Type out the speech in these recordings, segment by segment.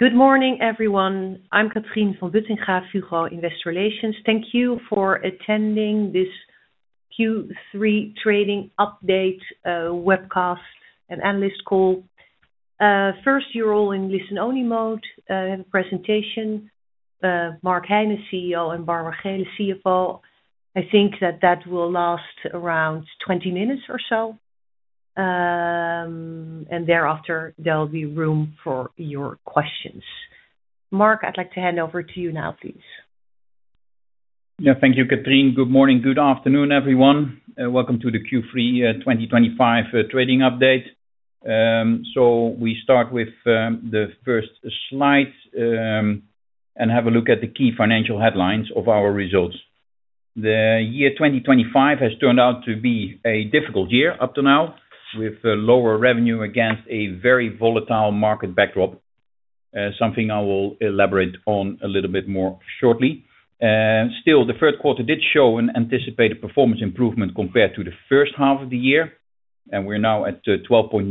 Good morning, everyone. I'm Catrien van Buttingha Wichers, Fugro Investor Relations. Thank you for attending this Q3 trading update, webcast, and analyst call. First, you're all in listen-only mode. I have a presentation. Mark Heine, CEO, and Barbara Geelen, CFO. I think that will last around 20 minutes or so. Thereafter, there'll be room for your questions. Mark, I'd like to hand over to you now, please. Yeah, thank you, Catrien. Good morning. Good afternoon, everyone. Welcome to the Q3 2025 trading update. We start with the first slide and have a look at the key financial headlines of our results. The year 2025 has turned out to be a difficult year up to now, with lower revenue against a very volatile market backdrop, something I will elaborate on a little bit more shortly. Still, the third quarter did show an anticipated performance improvement compared to the first half of the year, and we're now at 12.9%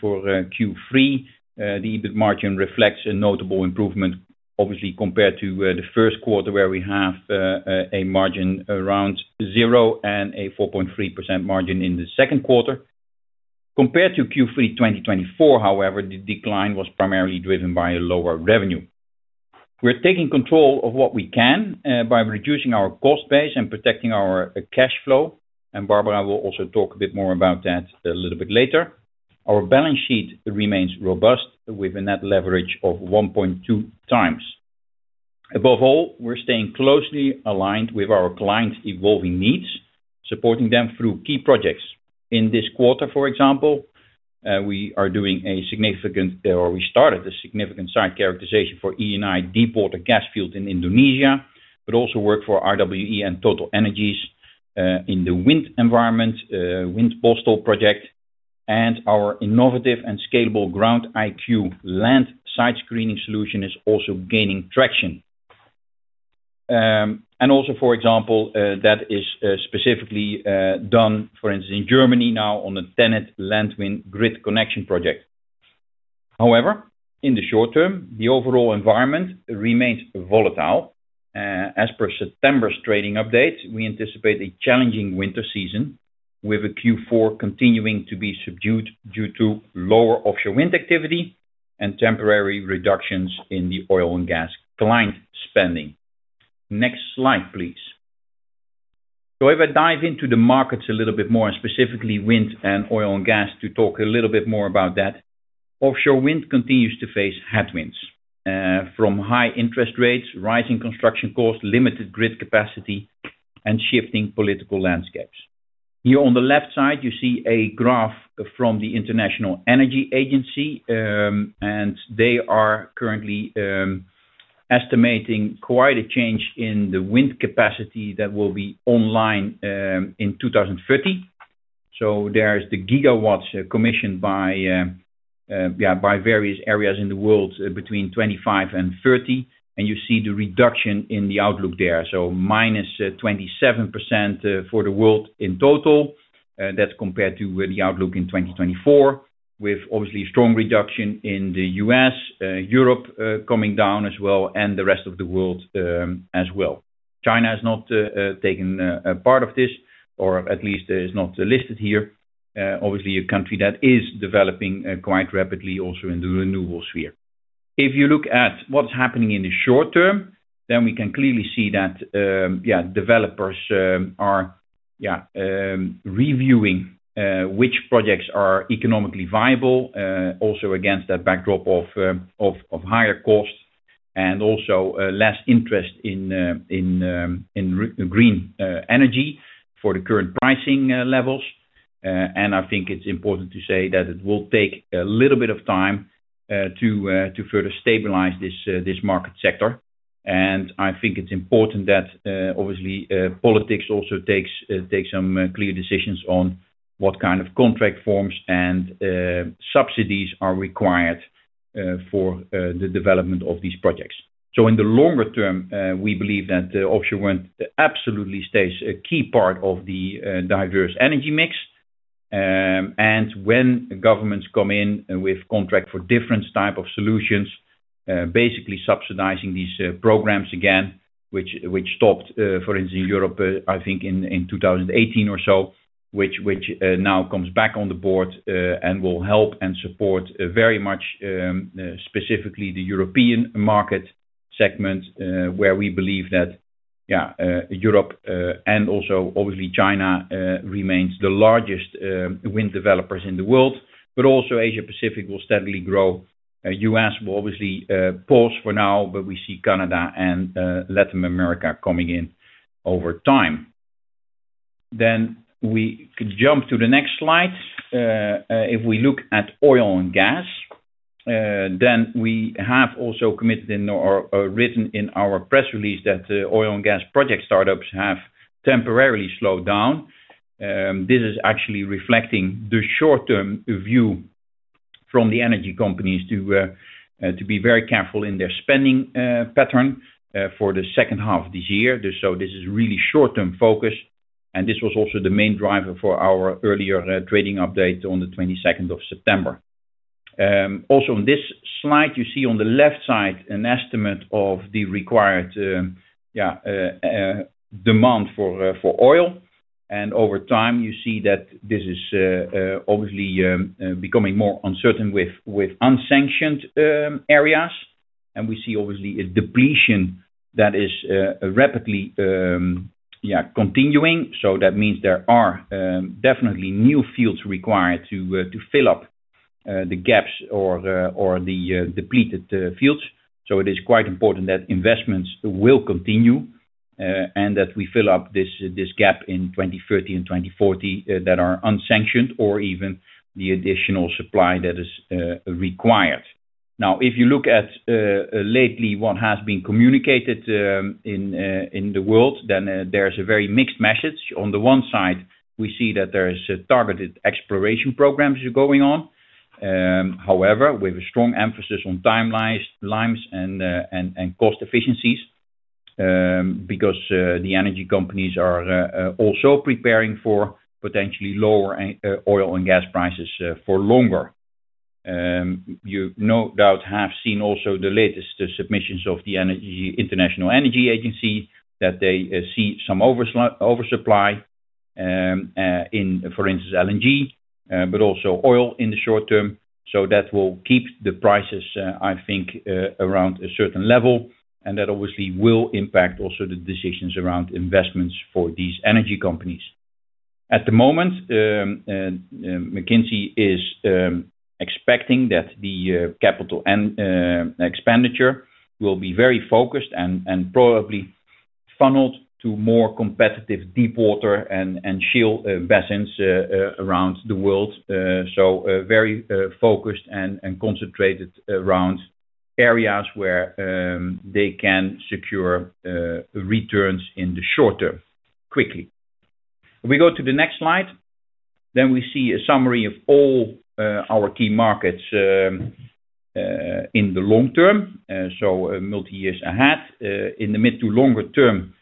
for Q3. The EBIT margin reflects a notable improvement, obviously, compared to the first quarter, where we have a margin around zero and a 4.3% margin in the second quarter. Compared to Q3 2024, however, the decline was primarily driven by lower revenue. We're taking control of what we can by reducing our cost base and protecting our cash flow, and Barbara will also talk a bit more about that a little bit later. Our balance sheet remains robust, with a net leverage of 1.2x. Above all, we're staying closely aligned with our clients' evolving needs, supporting them through key projects. In this quarter, for example, we are doing a significant, or we started a significant site characterization for Eni Deepwater Gasfield in Indonesia, but also work for RWE and Total Energies in the wind environment, wind postal project. Our innovative and scalable GroundIQ land site screening solution is also gaining traction, and also, for example, that is specifically done, for instance, in Germany now on a tenant landwind grid connection project. However, in the short term, the overall environment remains volatile. As per September's trading update, we anticipate a challenging winter season, with Q4 continuing to be subdued due to lower offshore wind activity and temporary reductions in the oil and gas client spending. Next slide, please. If I dive into the markets a little bit more, and specifically wind and oil and gas, to talk a little bit more about that. Offshore wind continues to face headwinds from high interest rates, rising construction costs, limited grid capacity, and shifting political landscapes. Here on the left side, you see a graph from the International Energy Agency, and they are currently estimating quite a change in the wind capacity that will be online in 2030. There's the gigawatts commissioned by various areas in the world between 25 and 30, and you see the reduction in the outlook there, -27% for the world in total. That's compared to the outlook in 2024, with obviously a strong reduction in the U.S., Europe coming down as well, and the rest of the world as well. China has not taken a part of this, or at least is not listed here. Obviously, a country that is developing quite rapidly also in the renewable sphere. If you look at what's happening in the short term, we can clearly see that developers are reviewing which projects are economically viable, also against that backdrop of higher cost and also less interest in green energy for the current pricing levels. I think it's important to say that it will take a little bit of time to further stabilize this market sector. I think it's important that, obviously, politics also takes some clear decisions on what kind of contract forms and subsidies are required for the development of these projects. In the longer term, we believe that offshore wind absolutely stays a key part of the diverse energy mix. When governments come in with contracts for different types of solutions, basically subsidizing these programs again, which stopped, for instance, in Europe, I think in 2018 or so, which now comes back on the board and will help and support very much, specifically the European market segment, where we believe that Europe, and also obviously China, remains the largest wind developers in the world, but also Asia-Pacific will steadily grow. U.S. will obviously pause for now, but we see Canada and Latin America coming in over time. If we look at oil and gas, we have also committed in our written in our press release that oil and gas project startups have temporarily slowed down. This is actually reflecting the short-term view from the energy companies to be very careful in their spending pattern for the second half of this year. This is really short-term focus, and this was also the main driver for our earlier trading update on the 22nd of September. Also on this slide, you see on the left side an estimate of the required demand for oil. Over time, you see that this is obviously becoming more uncertain with unsanctioned areas. We see obviously a depletion that is rapidly continuing. That means there are definitely new fields required to fill up the gaps or the depleted fields. It is quite important that investments will continue, and that we fill up this gap in 2030 and 2040 that are unsanctioned or even the additional supply that is required. If you look at lately what has been communicated in the world, there's a very mixed message. On the one side, we see that there's targeted exploration programs going on, however, with a strong emphasis on timelines and cost efficiencies because the energy companies are also preparing for potentially lowering oil and gas prices for longer. You no doubt have seen also the latest submissions of the International Energy Agency that they see some oversupply in, for instance, LNG, but also oil in the short term. That will keep the prices, I think, around a certain level, and that obviously will impact also the decisions around investments for these energy companies. At the moment, McKinsey is expecting that the capital and expenditure will be very focused and probably funneled to more competitive deepwater and shale basins around the world, very focused and concentrated around areas where they can secure returns in the short term quickly. If we go to the next slide, we see a summary of all our key markets in the long term, multi-years ahead. In the mid to longer term,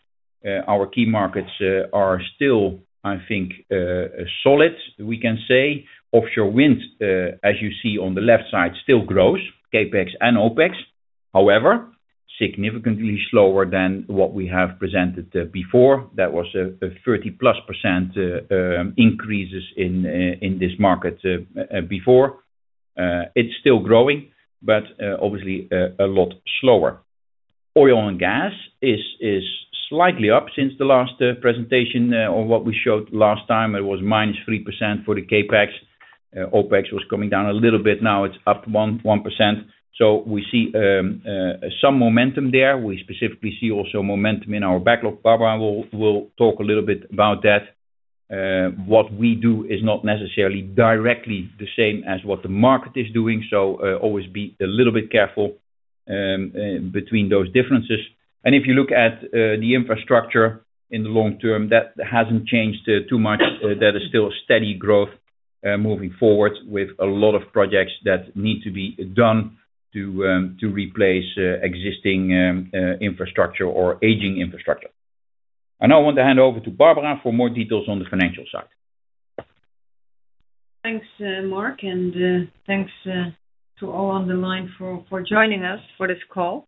our key markets are still, I think, solid, we can say. Offshore wind, as you see on the left side, still grows, CapEx and OpEx, however, significantly slower than what we have presented before. That was a 30+% increase in this market before. It's still growing, but obviously a lot slower. Oil and gas is slightly up since the last presentation, or what we showed last time. It was -3% for the CapEx. OpEx was coming down a little bit. Now it's up 1%. We see some momentum there. We specifically see also momentum in our backlog. Barbara will talk a little bit about that. What we do is not necessarily directly the same as what the market is doing, so always be a little bit careful between those differences. If you look at the infrastructure in the long term, that hasn't changed too much. That is still a steady growth, moving forward with a lot of projects that need to be done to replace existing infrastructure or aging infrastructure. I now want to hand over to Barbara for more details on the financial side. Thanks, Mark, and thanks to all on the line for joining us for this call.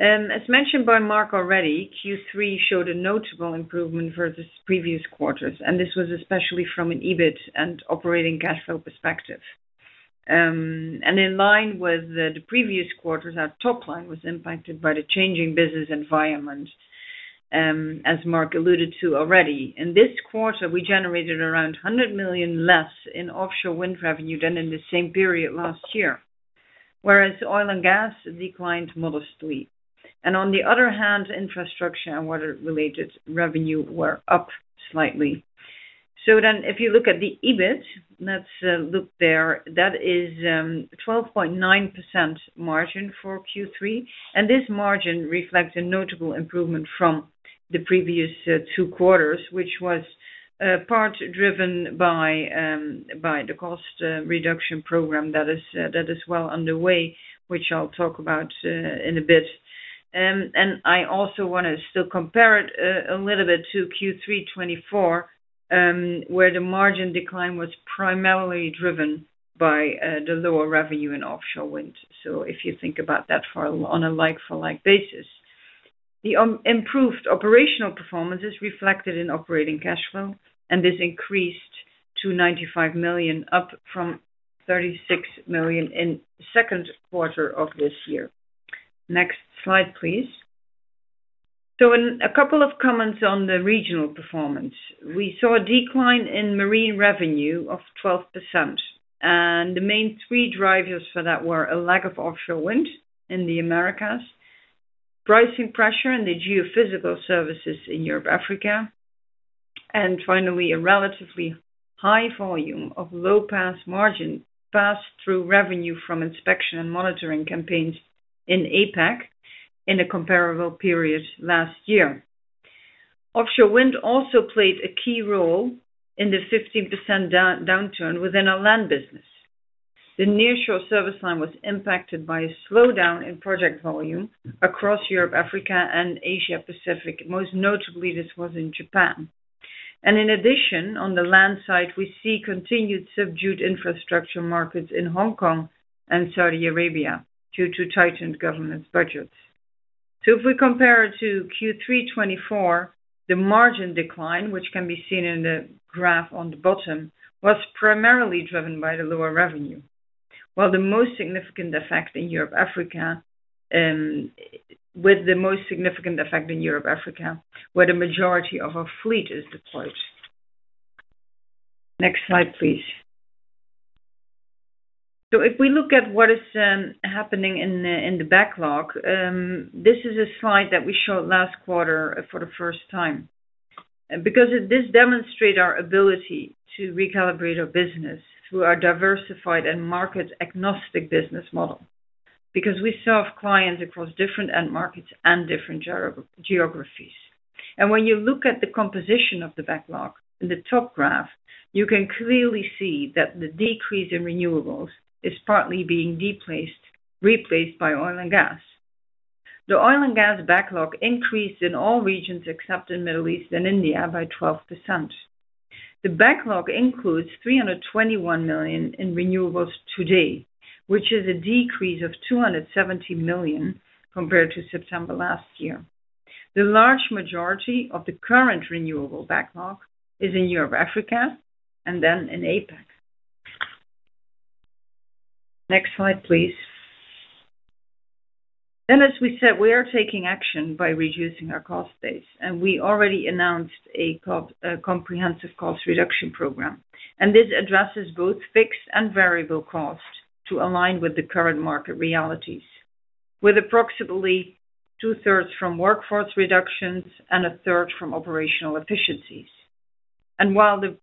As mentioned by Mark already, Q3 showed a notable improvement versus previous quarters, and this was especially from an EBIT and operating cash flow perspective. In line with the previous quarters, our top line was impacted by the changing business environment. As Mark alluded to already, in this quarter, we generated around 100 million less in offshore wind revenue than in the same period last year, whereas oil and gas declined modestly. On the other hand, infrastructure and water-related revenue were up slightly. If you look at the EBIT, let's look there, that is a 12.9% margin for Q3. This margin reflects a notable improvement from the previous two quarters, which was part driven by the cost reduction program that is well underway, which I'll talk about in a bit. I also want to still compare it a little bit to Q3 2024, where the margin decline was primarily driven by the lower revenue in offshore wind. If you think about that on a like-for-like basis, the improved operational performance is reflected in operating cash flow, and this increased to 95 million, up from 36 million in the second quarter of this year. Next slide, please. In a couple of comments on the regional performance, we saw a decline in marine revenue of 12%. The main three drivers for that were a lack of offshore wind in the Americas, pricing pressure, and the geophysical services in Europe, Africa. Finally, a relatively high volume of low-margin pass-through revenue from inspection and monitoring campaigns in APAC in a comparable period last year. Offshore wind also played a key role in the 15% downturn within our land business. The nearshore service line was impacted by a slowdown in project volume across Europe, Africa, and Asia-Pacific. Most notably, this was in Japan. In addition, on the land side, we see continued subdued infrastructure markets in Hong Kong and Saudi Arabia due to tightened governance budgets. If we compare it to Q3 2024, the margin decline, which can be seen in the graph on the bottom, was primarily driven by the lower revenue, with the most significant effect in Europe, Africa, where the majority of our fleet is deployed. Next slide, please. If we look at what is happening in the backlog, this is a slide that we showed last quarter for the first time. Because this demonstrates our ability to recalibrate our business through our diversified and market-agnostic business model, because we serve clients across different end markets and different geographies. When you look at the composition of the backlog in the top graph, you can clearly see that the decrease in renewables is partly being replaced by oil and gas. The oil and gas backlog increased in all regions except in the Middle East and India by 12%. The backlog includes 321 million in renewables today, which is a decrease of 270 million compared to September last year. The large majority of the current renewable backlog is in Europe, Africa, and then in APEX. Next slide, please. As we said, we are taking action by reducing our cost base, and we already announced a comprehensive cost reduction program. This addresses both fixed and variable costs to align with the current market realities, with approximately two-thirds from workforce reductions and a third from operational efficiencies. While the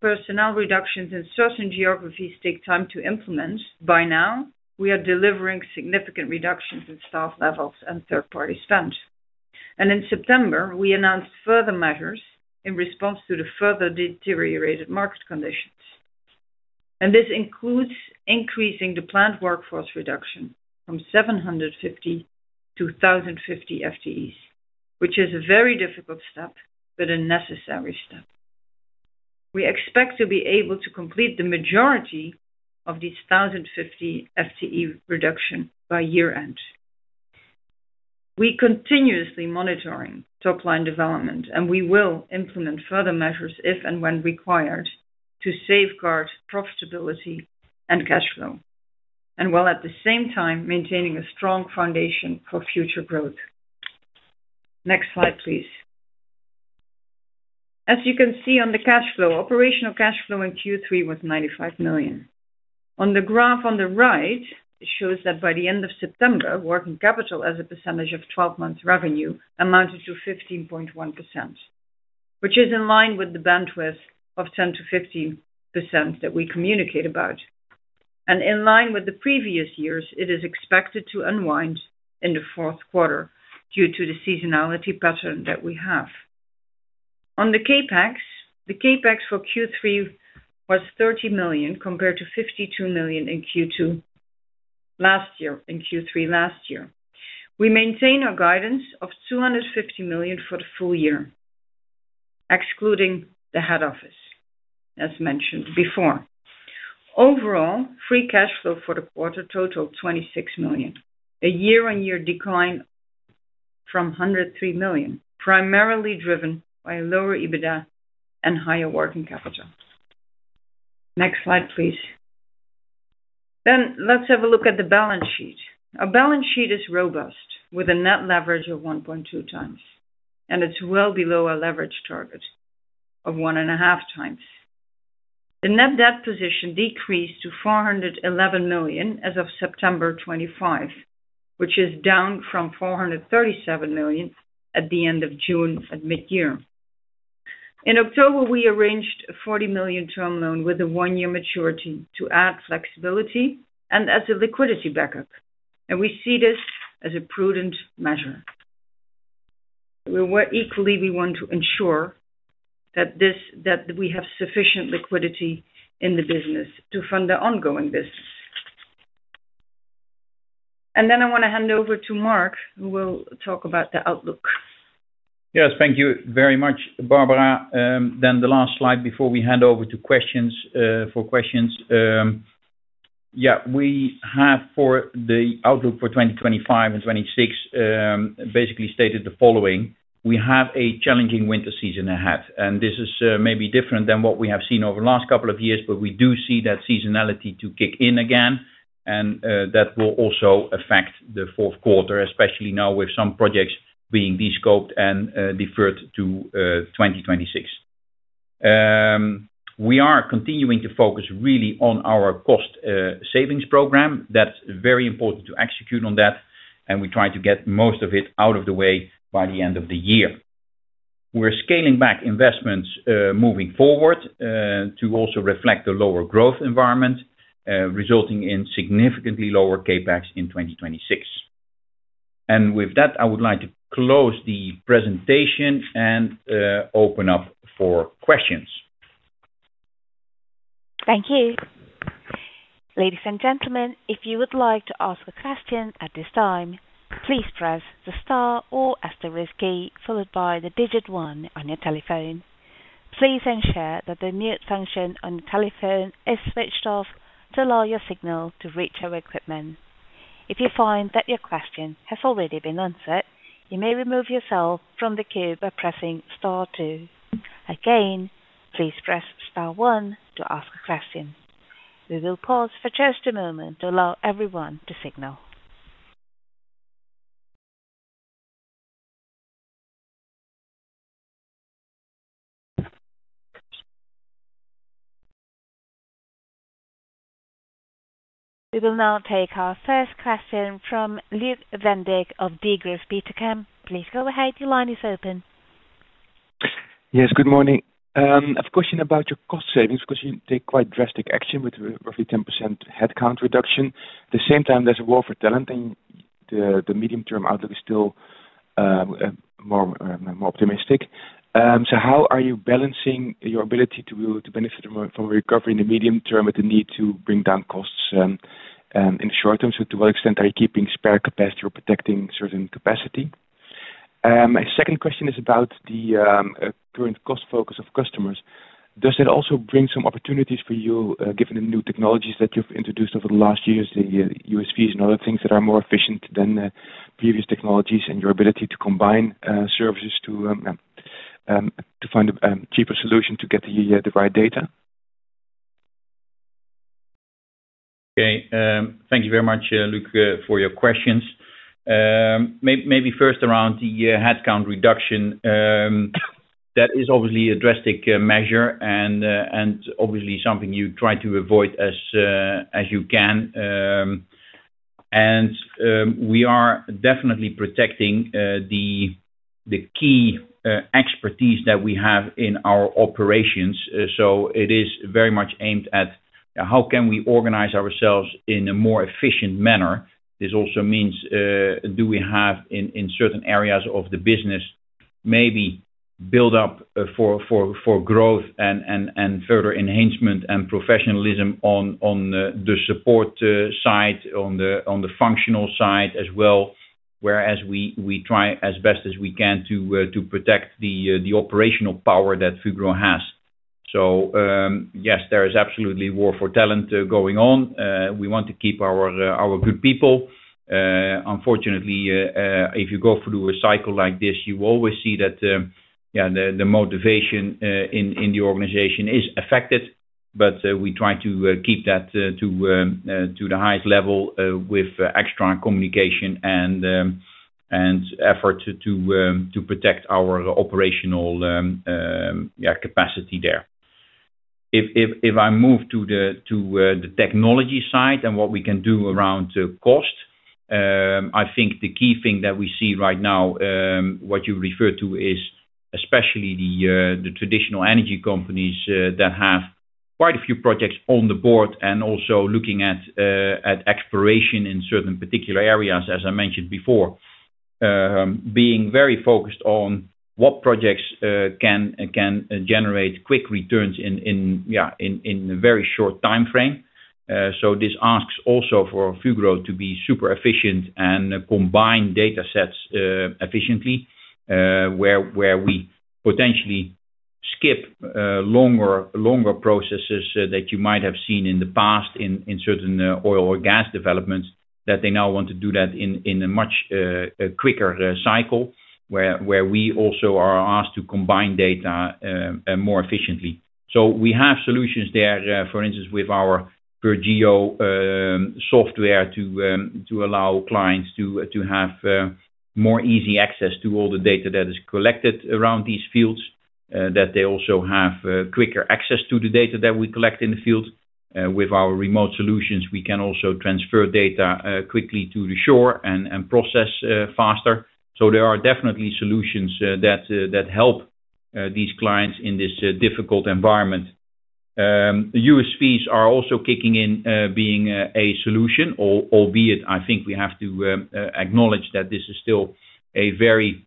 personnel reductions in certain geographies take time to implement, by now we are delivering significant reductions in staff levels and third-party spend. In September, we announced further measures in response to the further deteriorated market conditions. This includes increasing the planned workforce reduction from 750 to 1,050 FTEs, which is a very difficult step, but a necessary step. We expect to be able to complete the majority of these 1,050 FTE reductions by year-end. We continuously monitor top-line development, and we will implement further measures if and when required to safeguard profitability and cash flow, while at the same time maintaining a strong foundation for future growth. Next slide, please. As you can see on the cash flow, operational cash flow in Q3 was 95 million. On the graph on the right, it shows that by the end of September, working capital as a percentage of 12-month revenue amounted to 15.1%, which is in line with the bandwidth of 10%-15% that we communicate about. In line with the previous years, it is expected to unwind in the fourth quarter due to the seasonality pattern that we have. On the CapEx, the CapEx for Q3 was 30 million compared to 52 million in Q2. Last year in Q3 last year. We maintain our guidance of 250 million for the full year, excluding the head office, as mentioned before. Overall, free cash flow for the quarter totaled 26 million, a year-on-year decline. From 103 million, primarily driven by lower EBITDA and higher working capital. Next slide, please. Let's have a look at the balance sheet. Our balance sheet is robust with a net leverage of 1.2x, and it's well below our leverage target of 1.5x. The net debt position decreased to 411 million as of September 25, which is down from 437 million at the end of June at mid-year. In October, we arranged a 40 million term loan with a one-year maturity to add flexibility and as a liquidity backup. We see this as a prudent measure. We want to ensure that we have sufficient liquidity in the business to fund the ongoing business. I want to hand over to Mark, who will talk about the outlook. Yes, thank you very much, Barbara. The last slide before we hand over for questions. For the outlook for 2025 and 2026, basically stated the following. We have a challenging winter season ahead, and this is maybe different than what we have seen over the last couple of years, but we do see that seasonality kick in again, and that will also affect the fourth quarter, especially now with some projects being de-scoped and deferred to 2026. We are continuing to focus really on our cost savings program. That's very important to execute on that, and we try to get most of it out of the way by the end of the year. We're scaling back investments moving forward to also reflect the lower growth environment, resulting in significantly lower CapEx in 2026. With that, I would like to close the presentation and open up for questions. Thank you. Ladies and gentlemen, if you would like to ask a question at this time, please press the star or asterisk key followed by the digit one on your telephone. Please ensure that the mute function on your telephone is switched off to allow your signal to reach our equipment. If you find that your question has already been answered, you may remove yourself from the queue by pressing star two. Again, please press star one to ask a question. We will pause for just a moment to allow everyone to signal. We will now take our first question from Luuk van Beek of Degroof Petercam. Please go ahead. Your line is open. Yes, good morning. A question about your cost savings because you did quite drastic action with roughly 10% headcount reduction. At the same time, there's a war for talent, and the medium-term outlook is still more optimistic. How are you balancing your ability to benefit from a recovery in the medium term with the need to bring down costs in the short term? To what extent are you keeping spare capacity or protecting certain capacity? My second question is about the current cost focus of customers. Does that also bring some opportunities for you, given the new technologies that you've introduced over the last years, the USVs and other things that are more efficient than previous technologies and your ability to combine services to find a cheaper solution to get the right data? Okay. Thank you very much, Luuk, for your questions. Maybe first around the headcount reduction. That is obviously a drastic measure and obviously something you try to avoid as you can. We are definitely protecting the key expertise that we have in our operations. It is very much aimed at how can we organize ourselves in a more efficient manner. This also means, do we have in certain areas of the business maybe build up for growth and further enhancement and professionalism on the support side, on the functional side as well, whereas we try as best as we can to protect the operational power that Fugro has. Yes, there is absolutely war for talent going on. We want to keep our good people. Unfortunately, if you go through a cycle like this, you always see that the motivation in the organization is affected, but we try to keep that to the highest level with extra communication and effort to protect our operational capacity there. If I move to the technology side and what we can do around cost, I think the key thing that we see right now, what you refer to is especially the traditional energy companies that have quite a few projects on the board and also looking at exploration in certain particular areas, as I mentioned before, being very focused on what projects can generate quick returns in a very short timeframe. This asks also for Fugro to be super efficient and combine data sets efficiently, where we potentially skip longer processes that you might have seen in the past in certain oil or gas developments that they now want to do in a much quicker cycle where we also are asked to combine data more efficiently. We have solutions there, for instance, with our Fugro software to allow clients to have more easy access to all the data that is collected around these fields, that they also have quicker access to the data that we collect in the field. With our remote solutions, we can also transfer data quickly to the shore and process faster. There are definitely solutions that help these clients in this difficult environment. U.S. fees are also kicking in, being a solution, albeit I think we have to acknowledge that this is still a very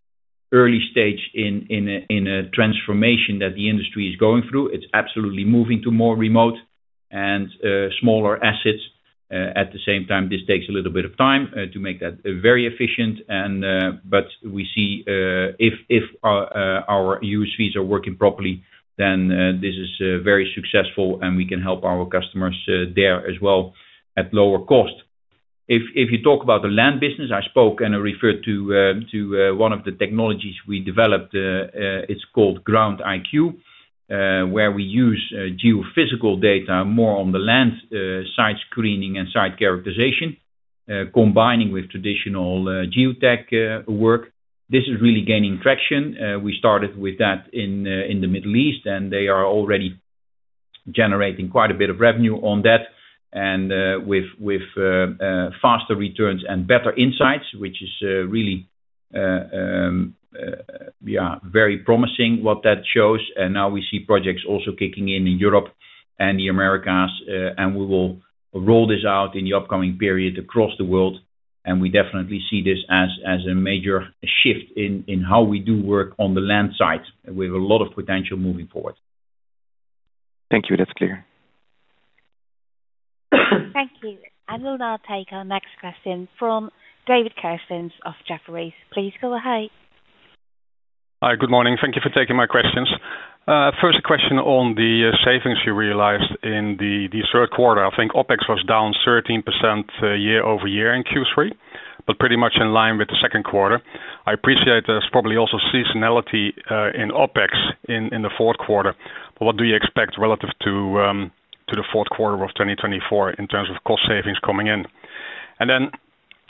early stage in a transformation that the industry is going through. It's absolutely moving to more remote and smaller assets. At the same time, this takes a little bit of time to make that very efficient. We see, if our U.S. fees are working properly, then this is very successful, and we can help our customers there as well at lower cost. If you talk about the land business, I spoke and I referred to one of the technologies we developed, it's called GroundIQ, where we use geophysical data more on the land site screening and site characterization, combining with traditional geotech work. This is really gaining traction. We started with that in the Middle East, and they are already generating quite a bit of revenue on that, with faster returns and better insights, which is really, yeah, very promising what that shows. Now we see projects also kicking in in Europe and the Americas, and we will roll this out in the upcoming period across the world. We definitely see this as a major shift in how we do work on the land side, with a lot of potential moving forward. Thank you. That's clear. Thank you. We'll now take our next question from David Kerstens of Jefferies. Please go ahead. Hi, good morning. Thank you for taking my questions. First question on the savings you realized in the third quarter. I think OpEx was down 13% year-over-year in Q3, but pretty much in line with the second quarter. I appreciate there's probably also seasonality in OpEx in the fourth quarter. What do you expect relative to the fourth quarter of 2024 in terms of cost savings coming in?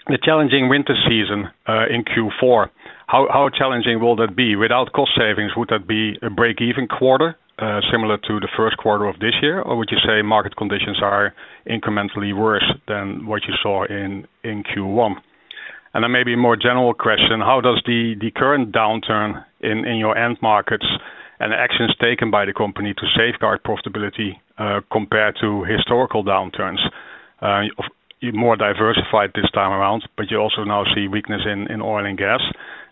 The challenging winter season in Q4, how challenging will that be? Without cost savings, would that be a break-even quarter, similar to the first quarter of this year, or would you say market conditions are incrementally worse than what you saw in Q1? Maybe a more general question, how does the current downturn in your end markets and actions taken by the company to safeguard profitability compare to historical downturns? You are more diversified this time around, but you also now see weakness in oil and gas,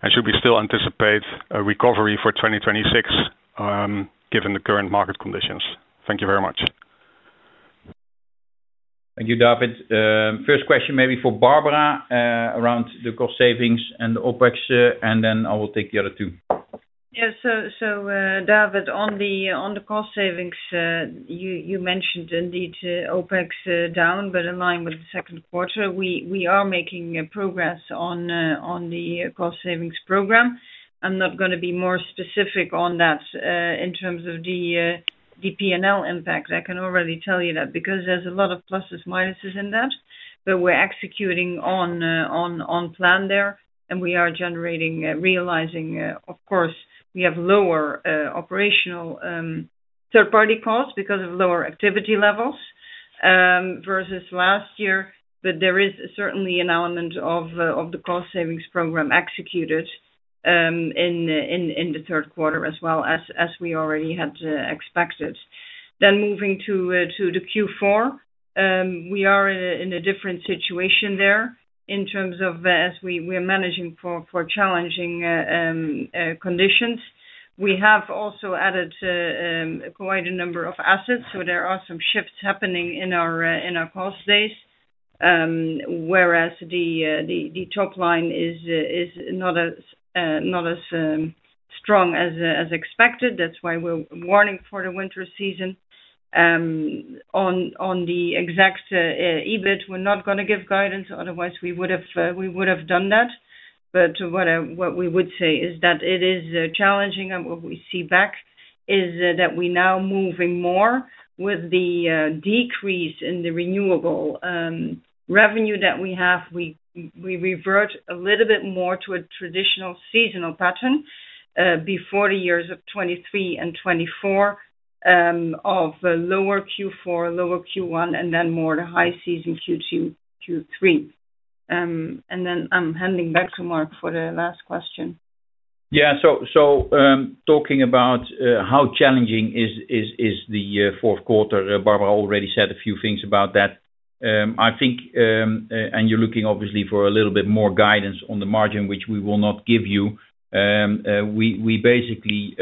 and should we still anticipate a recovery for 2026, given the current market conditions? Thank you very much. Thank you, David. First question maybe for Barbara, around the cost savings and the OpEx, and then I will take the other two. Yes. David, on the cost savings, you mentioned indeed, OpEx down, but in line with the second quarter. We are making progress on the cost savings program. I'm not going to be more specific on that, in terms of the P&L impact. I can already tell you that because there's a lot of pluses, minuses in that, but we're executing on plan there, and we are generating, realizing, of course, we have lower operational third-party costs because of lower activity levels versus last year. There is certainly an element of the cost savings program executed in the third quarter as well as we already had expected. Moving to Q4, we are in a different situation there in terms of, as we are managing for challenging conditions. We have also added quite a number of assets, so there are some shifts happening in our cost base, whereas the top line is not as strong as expected. That's why we're warning for the winter season, on the exact EBIT. We're not going to give guidance. Otherwise, we would have done that. What we would say is that it is challenging. What we see back is that we now moving more with the decrease in the renewables revenue that we have. We revert a little bit more to a traditional seasonal pattern, before the years of 2023 and 2024, of lower Q4, lower Q1, and then more the high season Q2, Q3. I'm handing back to Mark for the last question. Yeah. Talking about how challenging the fourth quarter is, Barbara already said a few things about that. I think you're looking obviously for a little bit more guidance on the margin, which we will not give you. We basically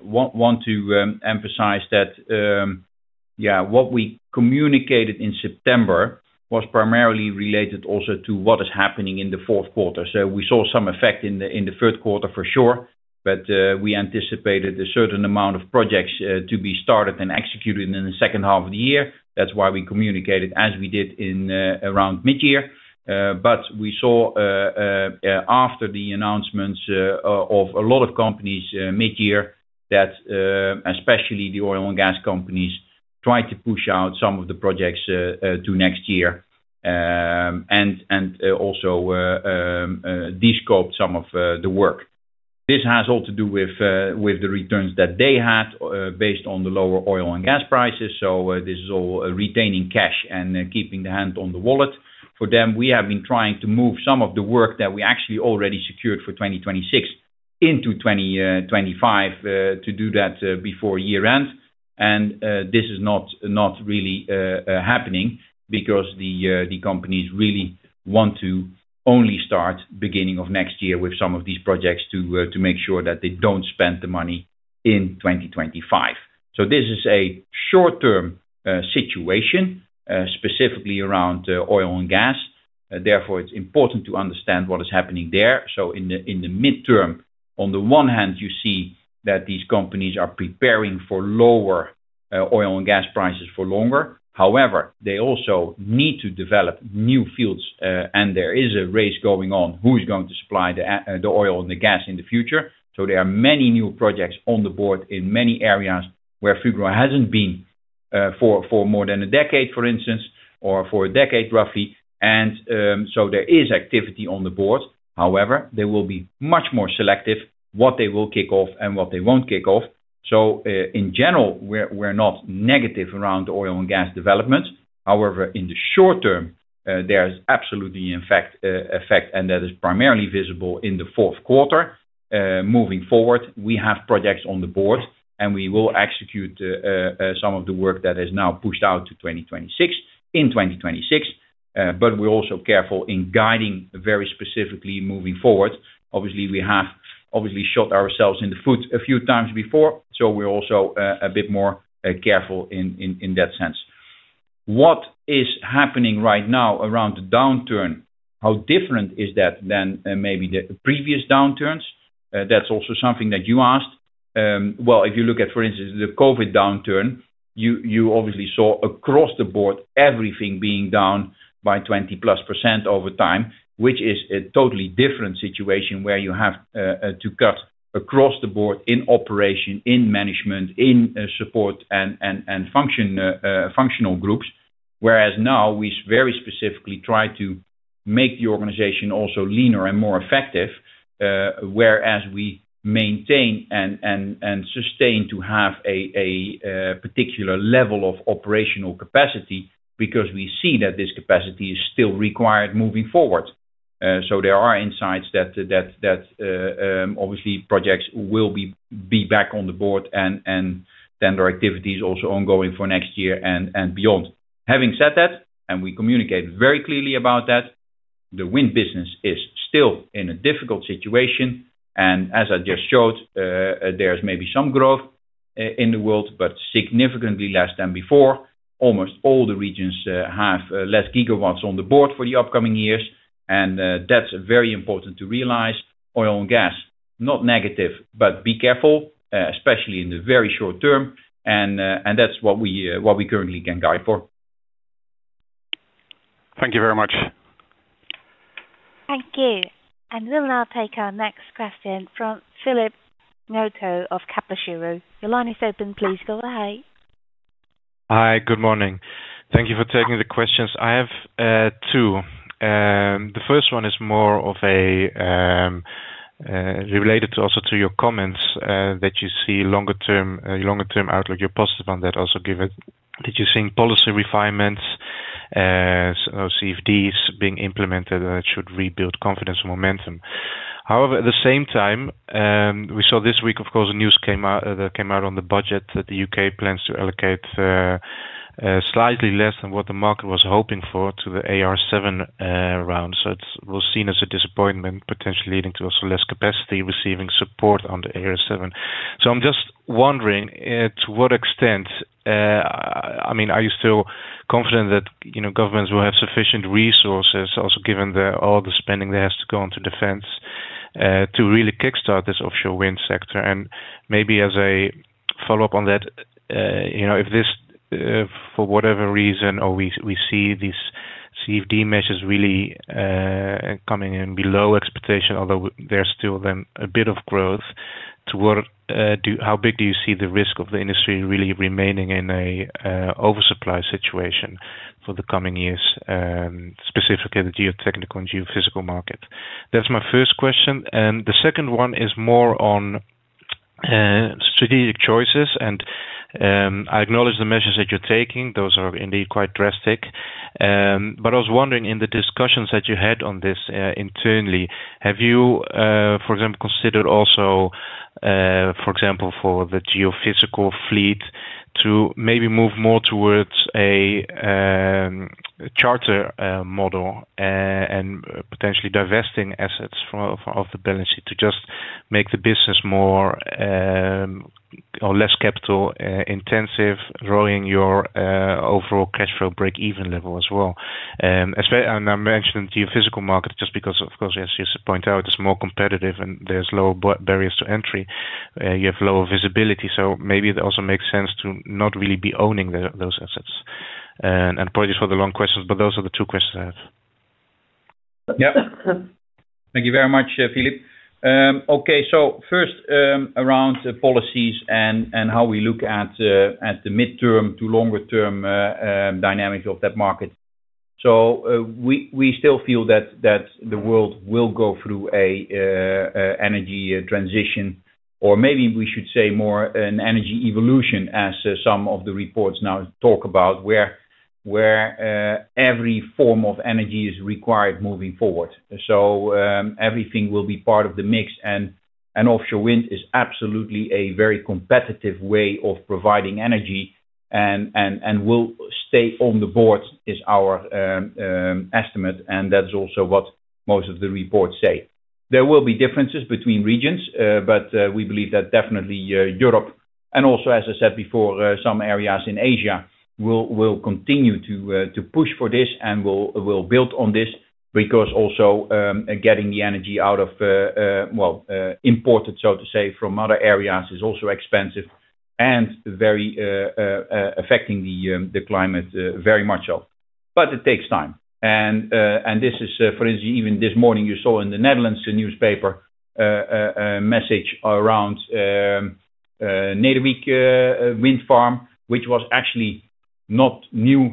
want to emphasize that what we communicated in September was primarily related also to what is happening in the fourth quarter. We saw some effect in the third quarter for sure, but we anticipated a certain amount of projects to be started and executed in the second half of the year. That's why we communicated as we did around mid-year. We saw after the announcements of a lot of companies mid-year that, especially the oil and gas companies, tried to push out some of the projects to next year and also descoped some of the work. This has all to do with the returns that they had based on the lower oil and gas prices. This is all retaining cash and keeping the hand on the wallet for them. We have been trying to move some of the work that we actually already secured for 2026 into 2025 to do that before year-end. This is not really happening because the companies really want to only start beginning of next year with some of these projects to make sure that they don't spend the money in 2025. This is a short-term situation specifically around oil and gas. Therefore, it's important to understand what is happening there. In the midterm, on the one hand, you see that these companies are preparing for lower oil and gas prices for longer. However, they also need to develop new fields, and there is a race going on who's going to supply the oil and the gas in the future. There are many new projects on the board in many areas where Fugro hasn't been for more than a decade, for instance, or for a decade roughly. There is activity on the board. However, they will be much more selective what they will kick off and what they won't kick off. In general, we're not negative around oil and gas developments. However, in the short term, there is absolutely, in fact, effect, and that is primarily visible in the fourth quarter. Moving forward, we have projects on the board, and we will execute some of the work that has now pushed out to 2026 in 2026. We're also careful in guiding very specifically moving forward. Obviously, we have shot ourselves in the foot a few times before, so we're also a bit more careful in that sense. What is happening right now around the downturn? How different is that than maybe the previous downturns? If you look at, for instance, the COVID downturn, you obviously saw across the board everything being down by 20+% over time, which is a totally different situation where you have to cut across the board in operation, in management, in support and functional groups. Whereas now we very specifically try to make the organization also leaner and more effective, whereas we maintain and sustain to have a particular level of operational capacity because we see that this capacity is still required moving forward. There are insights that projects will be back on the board, and then there are activities also ongoing for next year and beyond. Having said that, and we communicate very clearly about that, the wind business is still in a difficult situation. As I just showed, there's maybe some growth in the world, but significantly less than before. Almost all the regions have less gigawatts on the board for the upcoming years, and that's very important to realize. Oil and gas, not negative, but be careful, especially in the very short term. That's what we currently can guide for. Thank you very much. Thank you. We'll now take our next question from Philip Ngotho of Kepler Cheuvreux. Your line is open. Please go ahead. Hi. Good morning. Thank you for taking the questions. I have two. The first one is more related to your comments that you see longer term, longer term outlook. You're positive on that, also given that you're seeing policy refinements or CFDs being implemented that should rebuild confidence and momentum. However, at the same time, we saw this week, of course, the news came out that the UK plans to allocate slightly less than what the market was hoping for to the AR7 round. It was seen as a disappointment, potentially leading to less capacity receiving support on the AR7. I'm just wondering, to what extent, are you still confident that governments will have sufficient resources, also given all the spending that has to go into defense, to really kickstart this offshore wind sector? Maybe as a follow-up on that, if this, for whatever reason, or we see these CFD measures really coming in below expectation, although there's still then a bit of growth, how big do you see the risk of the industry really remaining in an oversupply situation for the coming years, specifically the geotechnical and geophysical market? That's my first question. The second one is more on strategic choices. I acknowledge the measures that you're taking. Those are indeed quite drastic. I was wondering, in the discussions that you had on this internally, have you, for example, considered also, for example, for the geophysical fleet to maybe move more towards a charter model and potentially divesting assets from the balance sheet to just make the business more or less capital intensive, lowering your overall cash flow break-even level as well. I mention the geophysical market just because, of course, as you point out, it's more competitive and there's lower barriers to entry. You have lower visibility, so maybe it also makes sense to not really be owning those assets. Apologies for the long questions, but those are the two questions I have. Yep. Thank you very much, Philip. Okay. So first, around the policies and how we look at the midterm to longer term dynamics of that market. We still feel that the world will go through an energy transition, or maybe we should say more an energy evolution as some of the reports now talk about, where every form of energy is required moving forward. Everything will be part of the mix, and offshore wind is absolutely a very competitive way of providing energy and will stay on the board is our estimate. That's also what most of the reports say. There will be differences between regions, but we believe that definitely Europe and also, as I said before, some areas in Asia will continue to push for this and will build on this because also, getting the energy out of, well, imported, so to say, from other areas is also expensive and very much affecting the climate. It takes time. For instance, even this morning, you saw in the Netherlands the newspaper message around Nederwiek wind farm, which was actually not new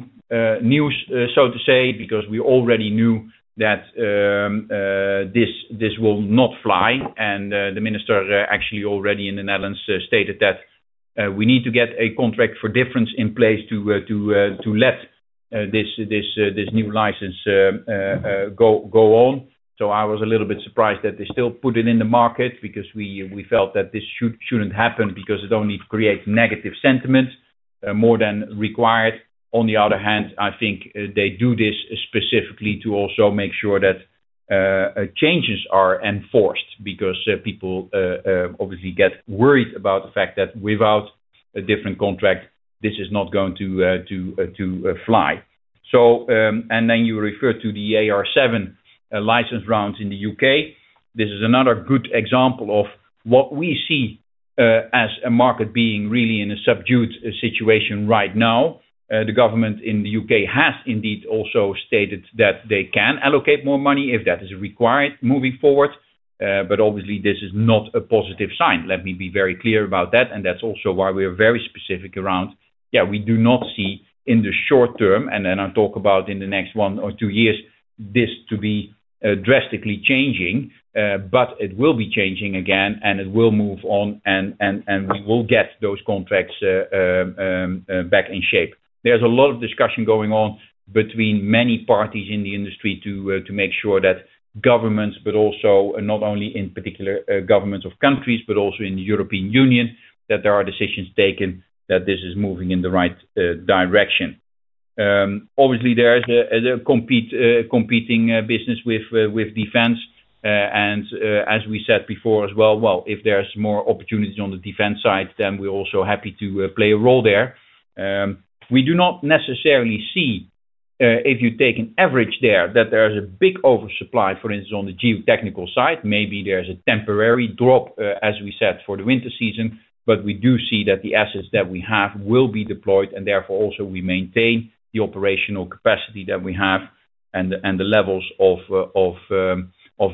news, so to say, because we already knew that this will not fly. The minister actually already in the Netherlands stated that we need to get a contract for difference in place to let this new license go on. I was a little bit surprised that they still put it in the market because we felt that this shouldn't happen because it only creates negative sentiment, more than required. On the other hand, I think they do this specifically to also make sure that changes are enforced because people obviously get worried about the fact that without a different contract, this is not going to fly. You refer to the AR7 license rounds in the UK. This is another good example of what we see as a market being really in a subdued situation right now. The government in the UK has indeed also stated that they can allocate more money if that is required moving forward, but obviously, this is not a positive sign. Let me be very clear about that. That's also why we are very specific around, yeah, we do not see in the short term, and then I'll talk about in the next one or two years, this to be drastically changing. It will be changing again, and it will move on, and we will get those contracts back in shape. There's a lot of discussion going on between many parties in the industry to make sure that governments, but also not only in particular, governments of countries, but also in the European Union, that there are decisions taken that this is moving in the right direction. Obviously, there's a competing business with defense. As we said before as well, if there's more opportunities on the defense side, then we're also happy to play a role there. We do not necessarily see, if you take an average there, that there's a big oversupply, for instance, on the geotechnical side. Maybe there's a temporary drop, as we said, for the winter season, but we do see that the assets that we have will be deployed, and therefore also we maintain the operational capacity that we have and the levels of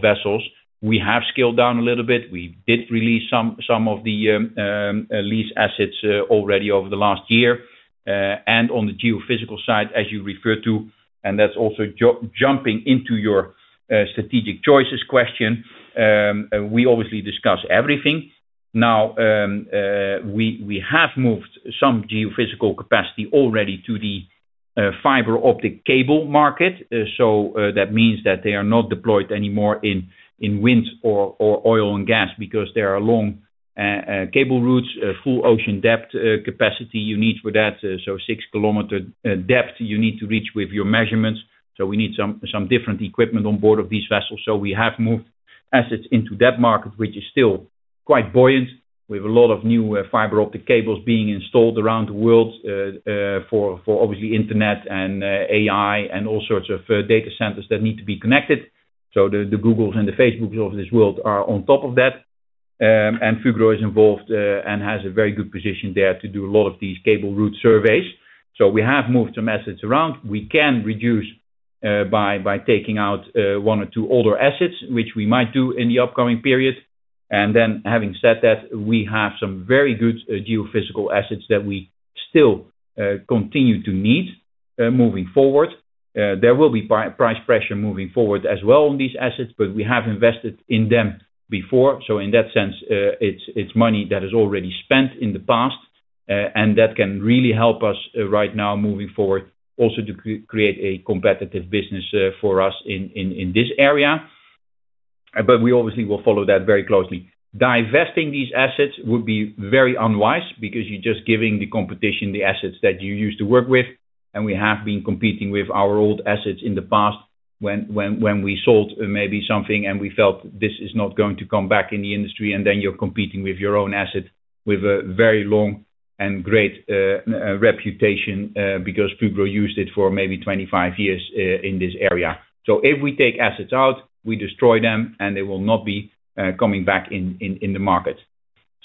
vessels. We have scaled down a little bit. We did release some of the lease assets already over the last year. On the geophysical side, as you referred to, and that's also jumping into your strategic choices question, we obviously discuss everything. We have moved some geophysical capacity already to the fiber optic cable market. That means that they are not deployed anymore in wind or oil and gas because there are long cable routes, full ocean depth, capacity you need for that. Six-kilometer depth you need to reach with your measurements. We need some different equipment on board of these vessels. We have moved assets into that market, which is still quite buoyant with a lot of new fiber optic cables being installed around the world, for obviously, internet and AI and all sorts of data centers that need to be connected. The Googles and the Facebooks of this world are on top of that. Fugro is involved, and has a very good position there to do a lot of these cable route surveys. We have moved some assets around. We can reduce, by taking out one or two older assets, which we might do in the upcoming period. Having said that, we have some very good geophysical assets that we still continue to need, moving forward. There will be price pressure moving forward as well on these assets, but we have invested in them before. In that sense, it's money that has already been spent in the past, and that can really help us right now moving forward, also to create a competitive business for us in this area. We obviously will follow that very closely. Divesting these assets would be very unwise because you're just giving the competition the assets that you used to work with. We have been competing with our old assets in the past when we sold maybe something, and we felt this is not going to come back in the industry. Then you're competing with your own asset with a very long and great reputation, because Fugro used it for maybe 25 years in this area. If we take assets out, we destroy them and they will not be coming back in the market.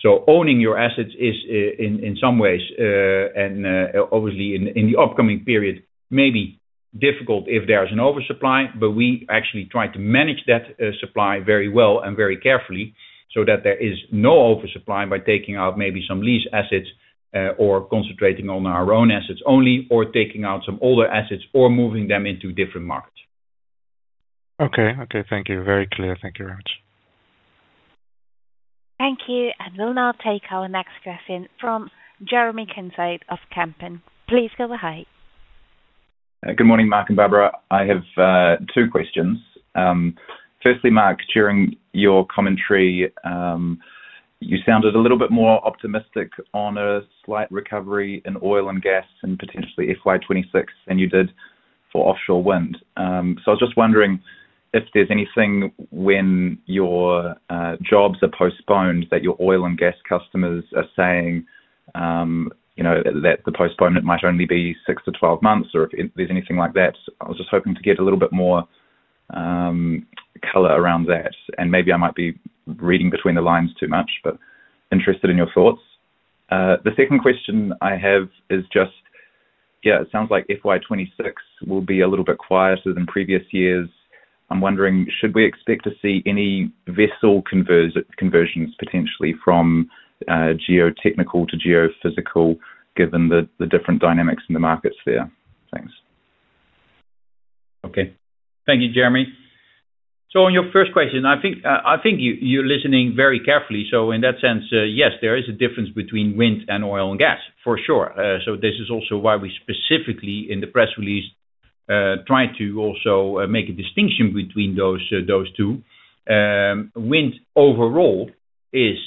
Owning your assets is, in some ways, and obviously in the upcoming period, maybe difficult if there's an oversupply, but we actually try to manage that supply very well and very carefully so that there is no oversupply by taking out maybe some lease assets, or concentrating on our own assets only, or taking out some older assets or moving them into different markets. Okay. Thank you. Very clear. Thank you very much. Thank you. We'll now take our next question from Jeremy Kincaid of Kempen. Please go ahead. Good morning, Mark and Barbara. I have two questions. Firstly, Mark, during your commentary, you sounded a little bit more optimistic on a slight recovery in oil and gas and potentially FY 2026 than you did for offshore wind. I was just wondering if there's anything when your jobs are postponed that your oil and gas customers are saying, you know, that the postponement might only be 6-12 months or if there's anything like that. I was just hoping to get a little bit more color around that. Maybe I might be reading between the lines too much, but interested in your thoughts. The second question I have is just, yeah, it sounds like FY 2026 will be a little bit quieter than previous years. I'm wondering, should we expect to see any vessel conversions potentially from geotechnical to geophysical given the different dynamics in the markets there? Thanks. Okay. Thank you, Jeremy. On your first question, I think you're listening very carefully. In that sense, yes, there is a difference between wind and oil and gas for sure. This is also why we specifically in the press release tried to also make a distinction between those two. Wind overall is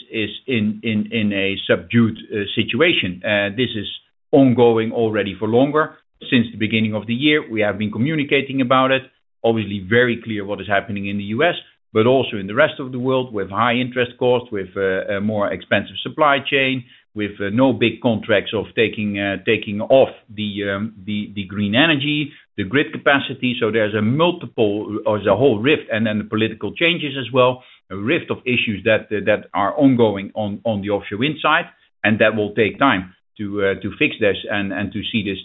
in a subdued situation. This is ongoing already for longer. Since the beginning of the year, we have been communicating about it. Obviously, very clear what is happening in the U.S., but also in the rest of the world with high interest costs, more expensive supply chain, no big contracts taking off the green energy, the grid capacity. There is a whole rift, and then the political changes as well, a rift of issues that are ongoing on the offshore wind side. That will take time to fix this and to see this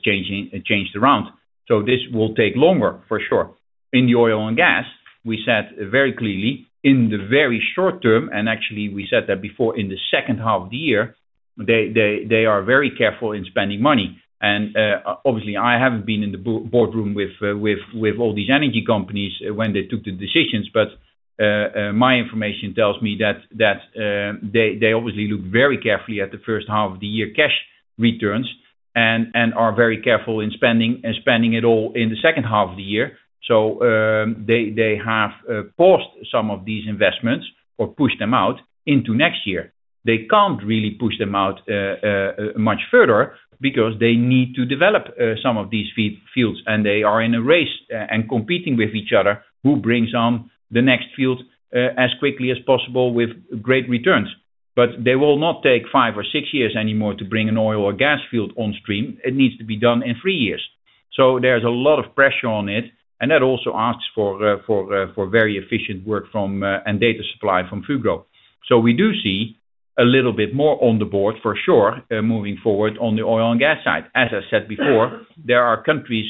changed around. This will take longer for sure. In oil and gas, we said very clearly in the very short term, and actually we said that before in the second half of the year, they are very careful in spending money. Obviously, I haven't been in the boardroom with all these energy companies when they took the decisions, but my information tells me that they obviously look very carefully at the first half of the year cash returns and are very careful in spending it all in the second half of the year. They have paused some of these investments or pushed them out into next year. They can't really push them out much further because they need to develop some of these fields. They are in a race and competing with each other who brings on the next field as quickly as possible with great returns. They will not take five or six years anymore to bring an oil or gas field on stream. It needs to be done in three years. There is a lot of pressure on it. That also asks for very efficient work from, and data supply from, Fugro. We do see a little bit more on the board for sure, moving forward on the oil and gas side. As I said before, there are countries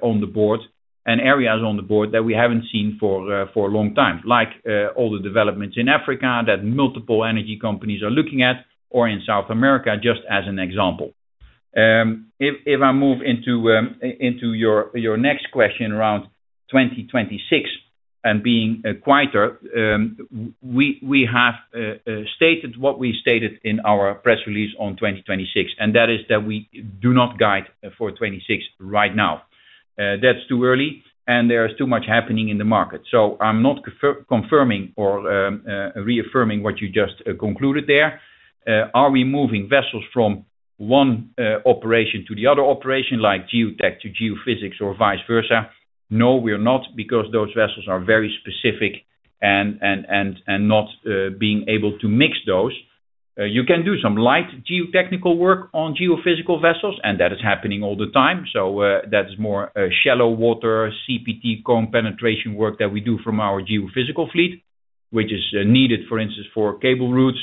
on the board and areas on the board that we haven't seen for a long time, like all the developments in Africa that multiple energy companies are looking at, or in South America, just as an example. If I move into your next question around 2026 and being quieter, we have stated what we stated in our press release on 2026, and that is that we do not guide for 2026 right now. That's too early and there's too much happening in the market. I'm not confirming or reaffirming what you just concluded there. Are we moving vessels from one operation to the other operation like geotech to geophysics or vice versa? No, we're not because those vessels are very specific and not being able to mix those. You can do some light geotechnical work on geophysical vessels, and that is happening all the time. That is more shallow water CPT cone penetration work that we do from our geophysical fleet, which is needed, for instance, for cable routes,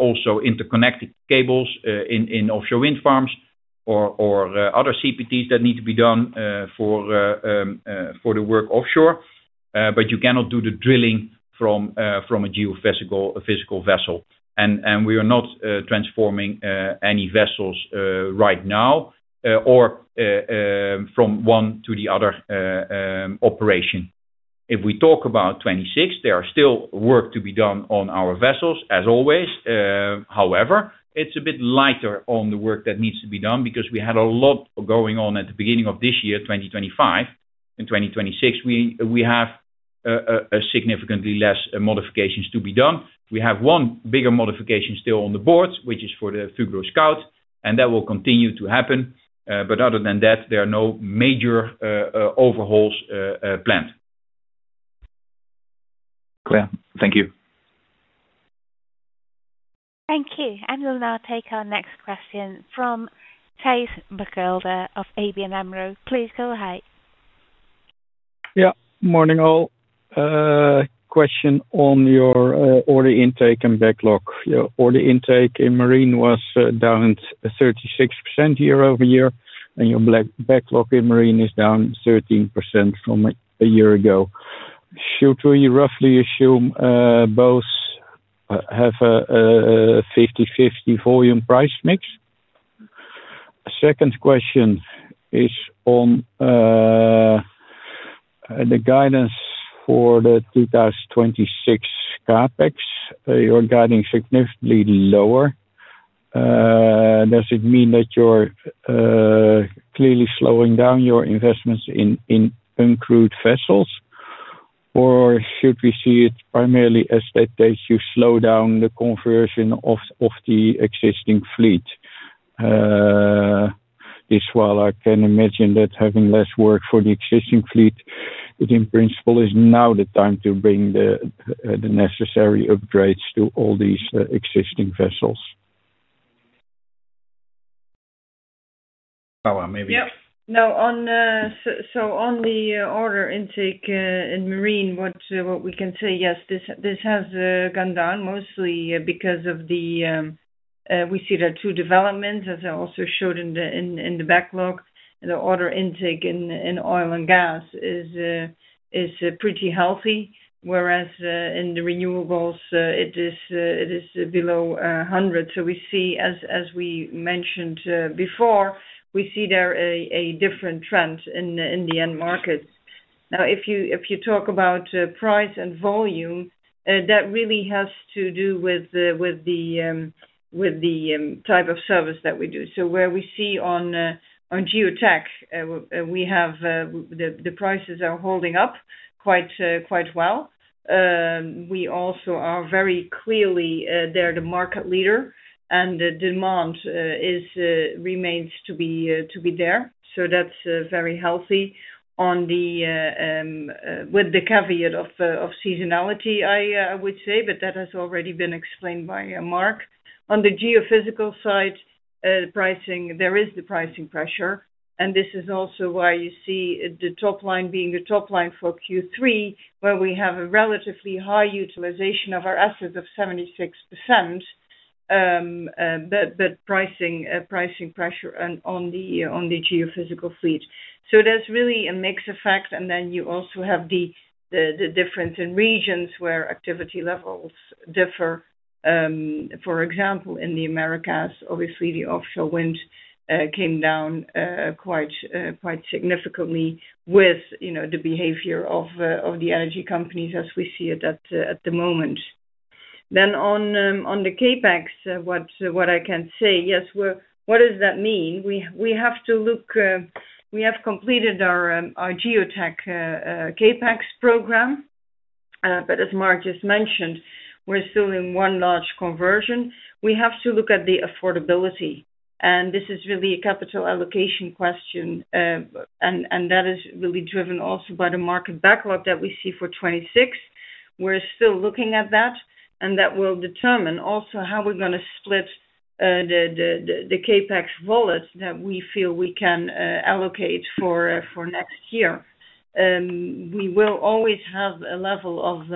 also interconnected cables in offshore wind farms or other CPTs that need to be done for the work offshore. You cannot do the drilling from a geophysical vessel. We are not transforming any vessels right now from one to the other operation. If we talk about 2026, there is still work to be done on our vessels as always. However, it's a bit lighter on the work that needs to be done because we had a lot going on at the beginning of this year, 2025. In 2026, we have significantly less modifications to be done. We have one bigger modification still on the boards, which is for the Fugro Scout, and that will continue to happen. Other than that, there are no major overhauls planned. Clear. Thank you. Thank you. We'll now take our next question from Thijs Berkelder of ABN AMRO. Please go ahead. Yeah. Morning all. Question on your order intake and backlog. Your order intake in Marine was down 36% year-over-year, and your backlog in Marine is down 13% from a year ago. Should we roughly assume both have a 50/50 volume price mix? Second question is on the guidance for the 2026 CapEx. You're guiding significantly lower. Does it mean that you're clearly slowing down your investments in uncrewed surface vessels? Or should we see it primarily as that you slow down the conversion of the existing fleet? This while I can imagine that having less work for the existing fleet, it in principle is now the time to bring the necessary upgrades to all these existing vessels. Barbara, maybe. No, on the order intake, in marine, what we can say, yes, this has gone down mostly because we see there are two developments, as I also showed in the backlog. The order intake in oil and gas is pretty healthy, whereas in the renewables, it is below 100. We see, as we mentioned before, there a different trend in the end markets. Now, if you talk about price and volume, that really has to do with the type of service that we do. Where we see on geotech, the prices are holding up quite well. We also are very clearly there the market leader and the demand remains to be there. That's very healthy, with the caveat of seasonality, I would say, but that has already been explained by Mark. On the geophysical side, there is pricing pressure. This is also why you see the top line being the top line for Q3, where we have a relatively high utilization of our assets of 76%. Pricing pressure on the geophysical fleet. There's really a mixed effect. You also have the difference in regions where activity levels differ. For example, in the Americas, obviously the offshore wind came down quite significantly with the behavior of the energy companies as we see it at the moment. On the CapEx, what I can say, yes, we have to look, we have completed our geotech CapEx program. As Mark just mentioned, we're still in one large conversion. We have to look at the affordability. This is really a capital allocation question, and that is really driven also by the market backlog that we see for 2026. We're still looking at that, and that will determine also how we're going to split the CapEx wallet that we feel we can allocate for next year. We will always have a level of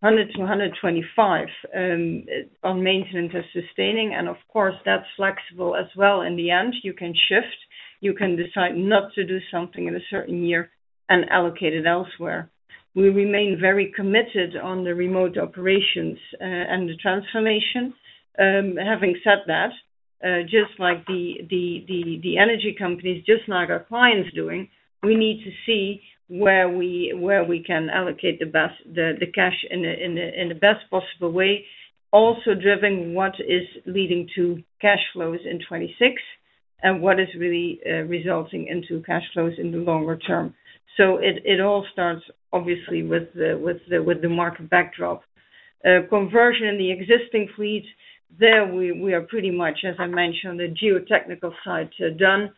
100 million-125 million on maintenance and sustaining. Of course, that's flexible as well. In the end, you can shift. You can decide not to do something in a certain year and allocate it elsewhere. We remain very committed on the remote operations and the transformation. Having said that, just like the energy companies, just like our clients doing, we need to see where we can allocate the best cash in a best possible way, also driving what is leading to cash flows in 2026 and what is really resulting into cash flows in the longer term. It all starts obviously with the market backdrop. Conversion in the existing fleet, there we are pretty much, as I mentioned, the geotechnical side, done.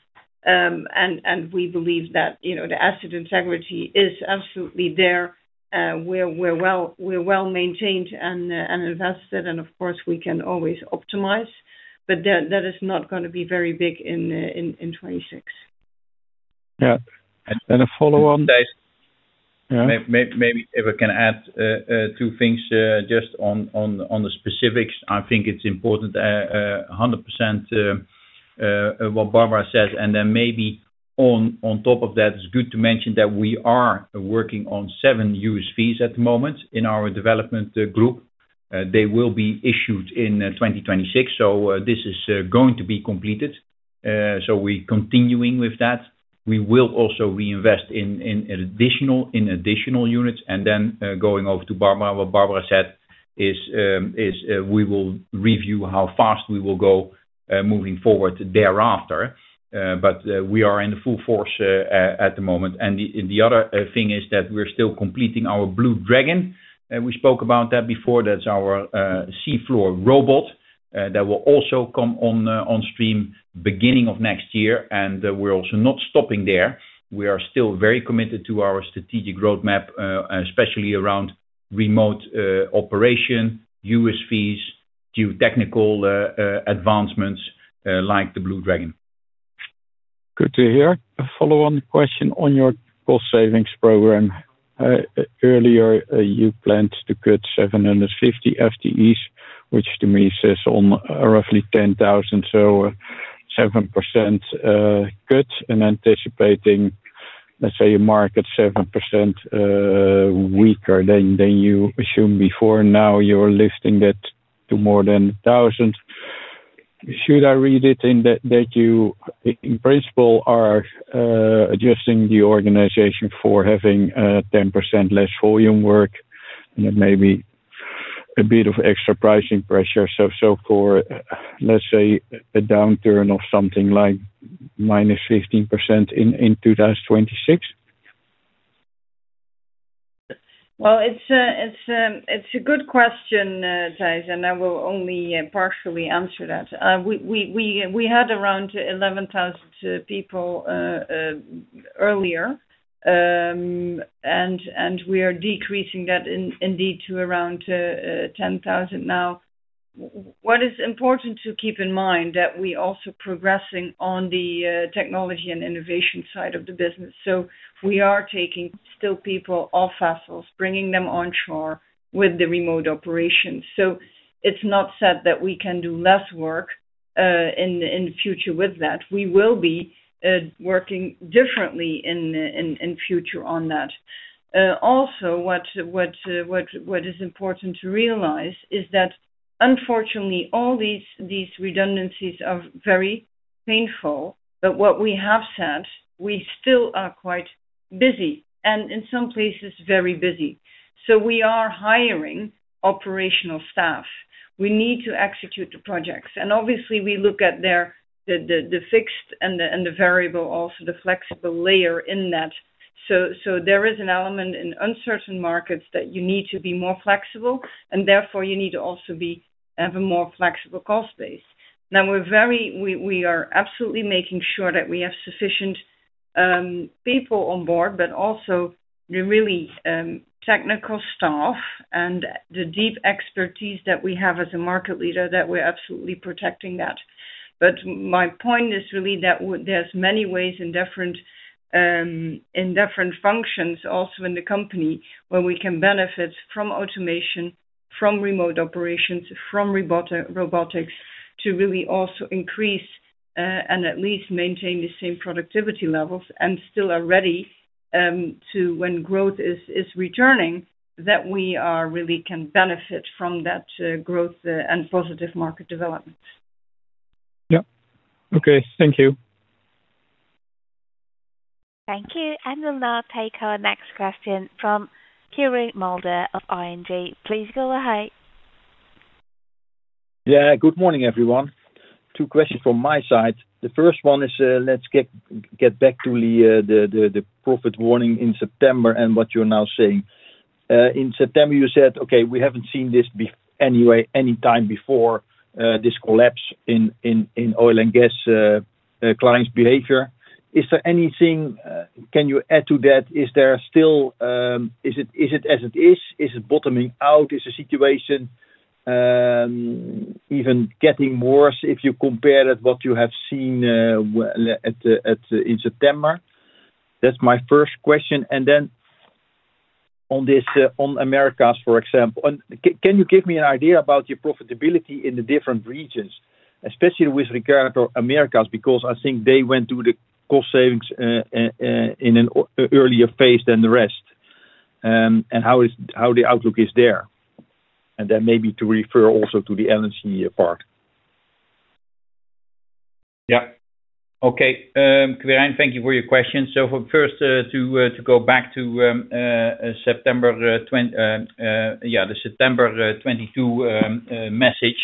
We believe that the asset integrity is absolutely there, we're well-maintained and invested. Of course, we can always optimize, but that is not going to be very big in 2026. Yeah, a follow-on. Thijs— Yeah? Maybe if I can add two things, just on the specifics. I think it's important, 100%, what Barbara says. Maybe on top of that, it's good to mention that we are working on seven USVs at the moment in our development group. They will be issued in 2026. This is going to be completed. We are continuing with that. We will also reinvest in additional units. Going over to what Barbara said, we will review how fast we will go moving forward thereafter. We are in full force at the moment. The other thing is that we're still completing our Blue Dragon. We spoke about that before. That's our seafloor robot that will also come on stream beginning of next year. We're also not stopping there. We are still very committed to our strategic roadmap, especially around remote operations, USVs, geotechnical advancements like the Blue Dragon. Good to hear. A follow-on question on your cost savings program. Earlier, you planned to cut 750 FTEs, which to me says on roughly 10,000, so 7% cut and anticipating, let's say, a market 7% weaker than you assumed before. Now you are lifting that to more than 1,000. Should I read it in that you in principle are adjusting the organization for having 10% less volume work and maybe a bit of extra pricing pressure? For, let's say, a downturn of something like minus 15% in 2026? It's a good question, Thijs, and I will only partially answer that. We had around 11,000 people earlier, and we are decreasing that indeed to around 10,000 now. What is important to keep in mind is that we are also progressing on the technology and innovation side of the business. We are still taking people off vessels, bringing them onshore with the remote operations. It's not said that we can do less work in the future with that. We will be working differently in future on that. What is important to realize is that unfortunately all these redundancies are very painful. What we have said is we still are quite busy and in some places very busy. We are hiring operational staff. We need to execute the projects, and obviously we look at the fixed and the variable, also the flexible layer in that. There is an element in uncertain markets that you need to be more flexible and therefore you need to also have a more flexible cost base. We are absolutely making sure that we have sufficient people on board, but also really technical staff and the deep expertise that we have as a market leader, that we're absolutely protecting that. My point is really that there's many ways in different functions also in the company where we can benefit from automation, from remote operations, from robotics to really also increase, and at least maintain the same productivity levels and still be ready when growth is returning, that we really can benefit from that growth and positive market development. Yep, okay. Thank you. Thank you. We'll now take our next question from Quirijn Mulder of ING. Please go ahead. Good morning, everyone. Two questions from my side. The first one is, let's get back to the profit warning in September and what you're now saying. In September, you said, okay, we haven't seen this be any time before, this collapse in oil and gas clients' behavior. Is there anything, can you add to that? Is there still, is it as it is? Is it bottoming out? Is the situation even getting worse if you compare that to what you have seen in September? That's my first question. On this, on Americas, for example, can you give me an idea about your profitability in the different regions, especially with regard to Americas? Because I think they went through the cost savings in an earlier phase than the rest. How is the outlook there? Maybe to refer also to the LNC part. Yeah. Okay. Quirijn, thank you for your question. First, to go back to September 2022, the September 2022 message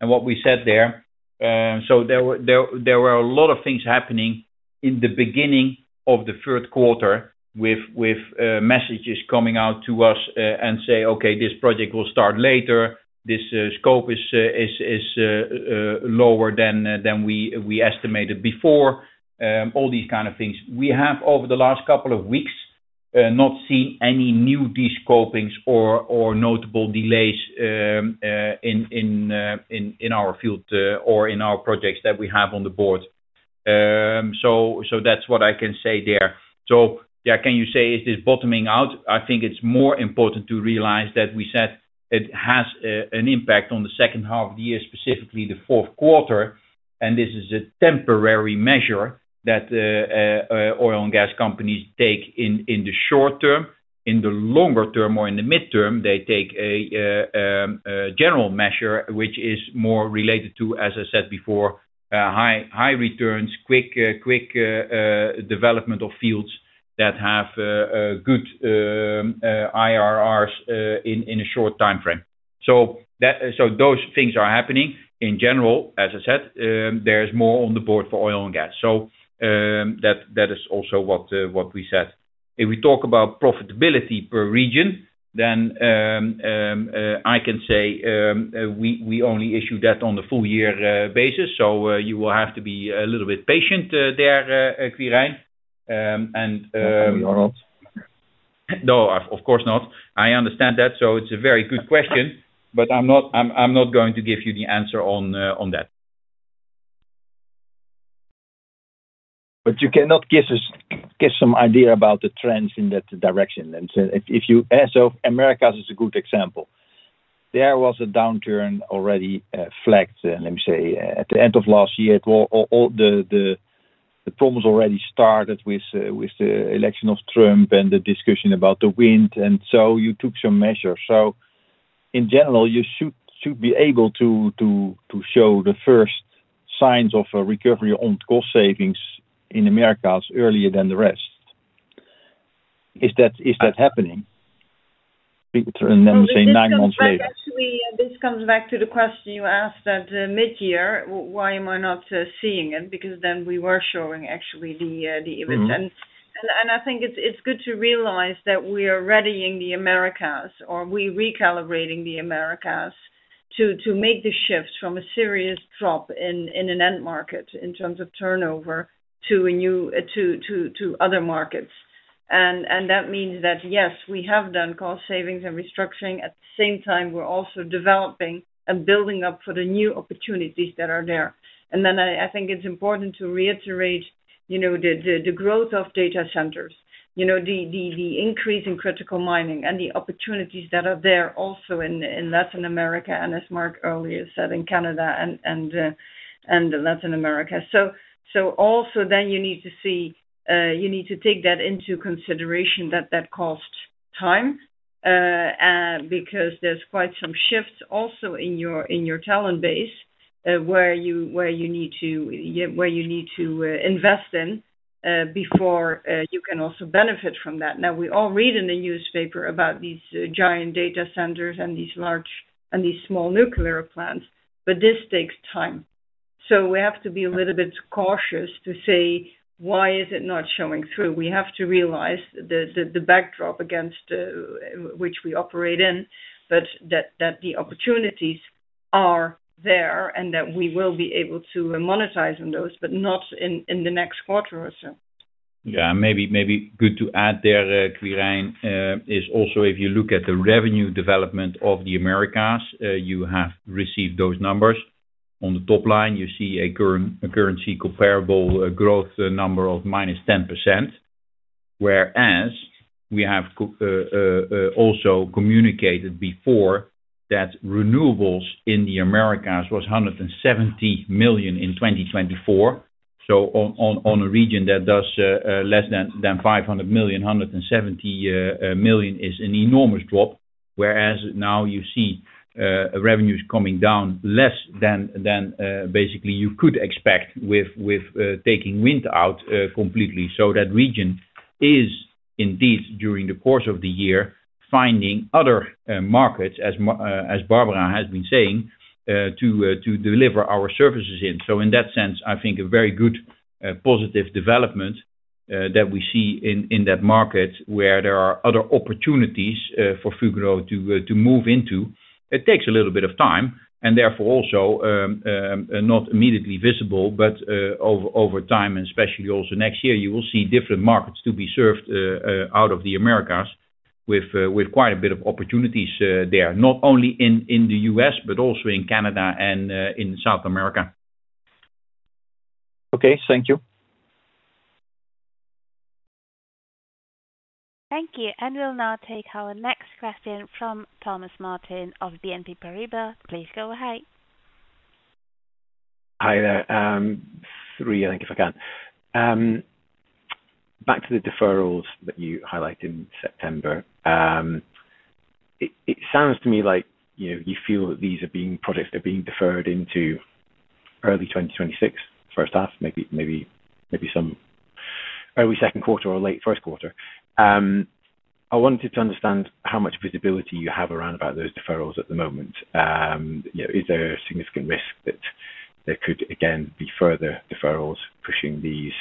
and what we said there. There were a lot of things happening in the beginning of the third quarter with messages coming out to us and saying, okay, this project will start later. This scope is lower than we estimated before. All these kind of things. We have over the last couple of weeks not seen any new descopings or notable delays in our field or in our projects that we have on the board. That's what I can say there. Can you say is this bottoming out? I think it's more important to realize that we said it has an impact on the second half of the year, specifically the fourth quarter. This is a temporary measure that oil and gas companies take in the short term. In the longer term or in the midterm, they take a general measure, which is more related to, as I said before, high returns, quick development of fields that have good IRRs in a short timeframe. Those things are happening in general. As I said, there's more on the board for oil and gas. That is also what we said. If we talk about profitability per region, then I can say we only issue that on a full year basis. You will have to be a little bit patient there, Quirijn. No, we are not. No, of course not. I understand that. It's a very good question, but I'm not going to give you the answer on that. Can you give us some idea about the trends in that direction? If you, so Americas is a good example. There was a downturn already flagged at the end of last year. All the problems already started with the election of Trump and the discussion about the wind. You took some measures. In general, you should be able to show the first signs of a recovery on cost savings in Americas earlier than the rest. Is that happening? We say nine months later. Actually, this comes back to the question you asked that, midyear, why am I not seeing it? Because then we were showing actually the image. I think it's good to realize that we are readying the Americas or we are recalibrating the Americas to make the shift from a serious drop in an end market in terms of turnover to new, to other markets. That means that yes, we have done cost savings and restructuring. At the same time, we're also developing and building up for the new opportunities that are there. I think it's important to reiterate the growth of data centers, the increase in critical mining, and the opportunities that are there also in Latin America and, as Mark earlier said, in Canada and Latin America. You need to take that into consideration, that cost time, because there's quite some shifts also in your talent base, where you need to invest in before you can also benefit from that. Now we all read in the newspaper about these giant data centers and these large and these small nuclear plants, but this takes time. We have to be a little bit cautious to say, why is it not showing through? We have to realize the backdrop against which we operate in, but the opportunities are there and we will be able to monetize on those, but not in the next quarter or so. Yeah. Maybe good to add there, Quirijn, is also if you look at the revenue development of the Americas, you have received those numbers. On the top line, you see a currency comparable growth number of -10%. Whereas we have also communicated before that renewables in the Americas was 170 million in 2024. On a region that does less than 500 million, 170 million is an enormous drop. Whereas now you see revenues coming down less than basically you could expect with taking wind out completely. That region is indeed during the course of the year finding other markets, as Barbara has been saying, to deliver our services in. In that sense, I think a very good, positive development that we see in that market where there are other opportunities for Fugro to move into. It takes a little bit of time and therefore also not immediately visible, but over time and especially also next year you will see different markets to be served out of the Americas with quite a bit of opportunities there, not only in the U.S., but also in Canada and in South America. Okay, thank you. Thank you. We'll now take our next question from Thomas Martin of BNP Paribas. Please go ahead. Hi there. Three, I think if I can. Back to the deferrals that you highlight in September. It sounds to me like you feel that these projects are being deferred into early 2026, first half, maybe some early second quarter or late first quarter. I wanted to understand how much visibility you have around those deferrals at the moment. You know, is significant risk that there could, again, be further deferrals, pushing these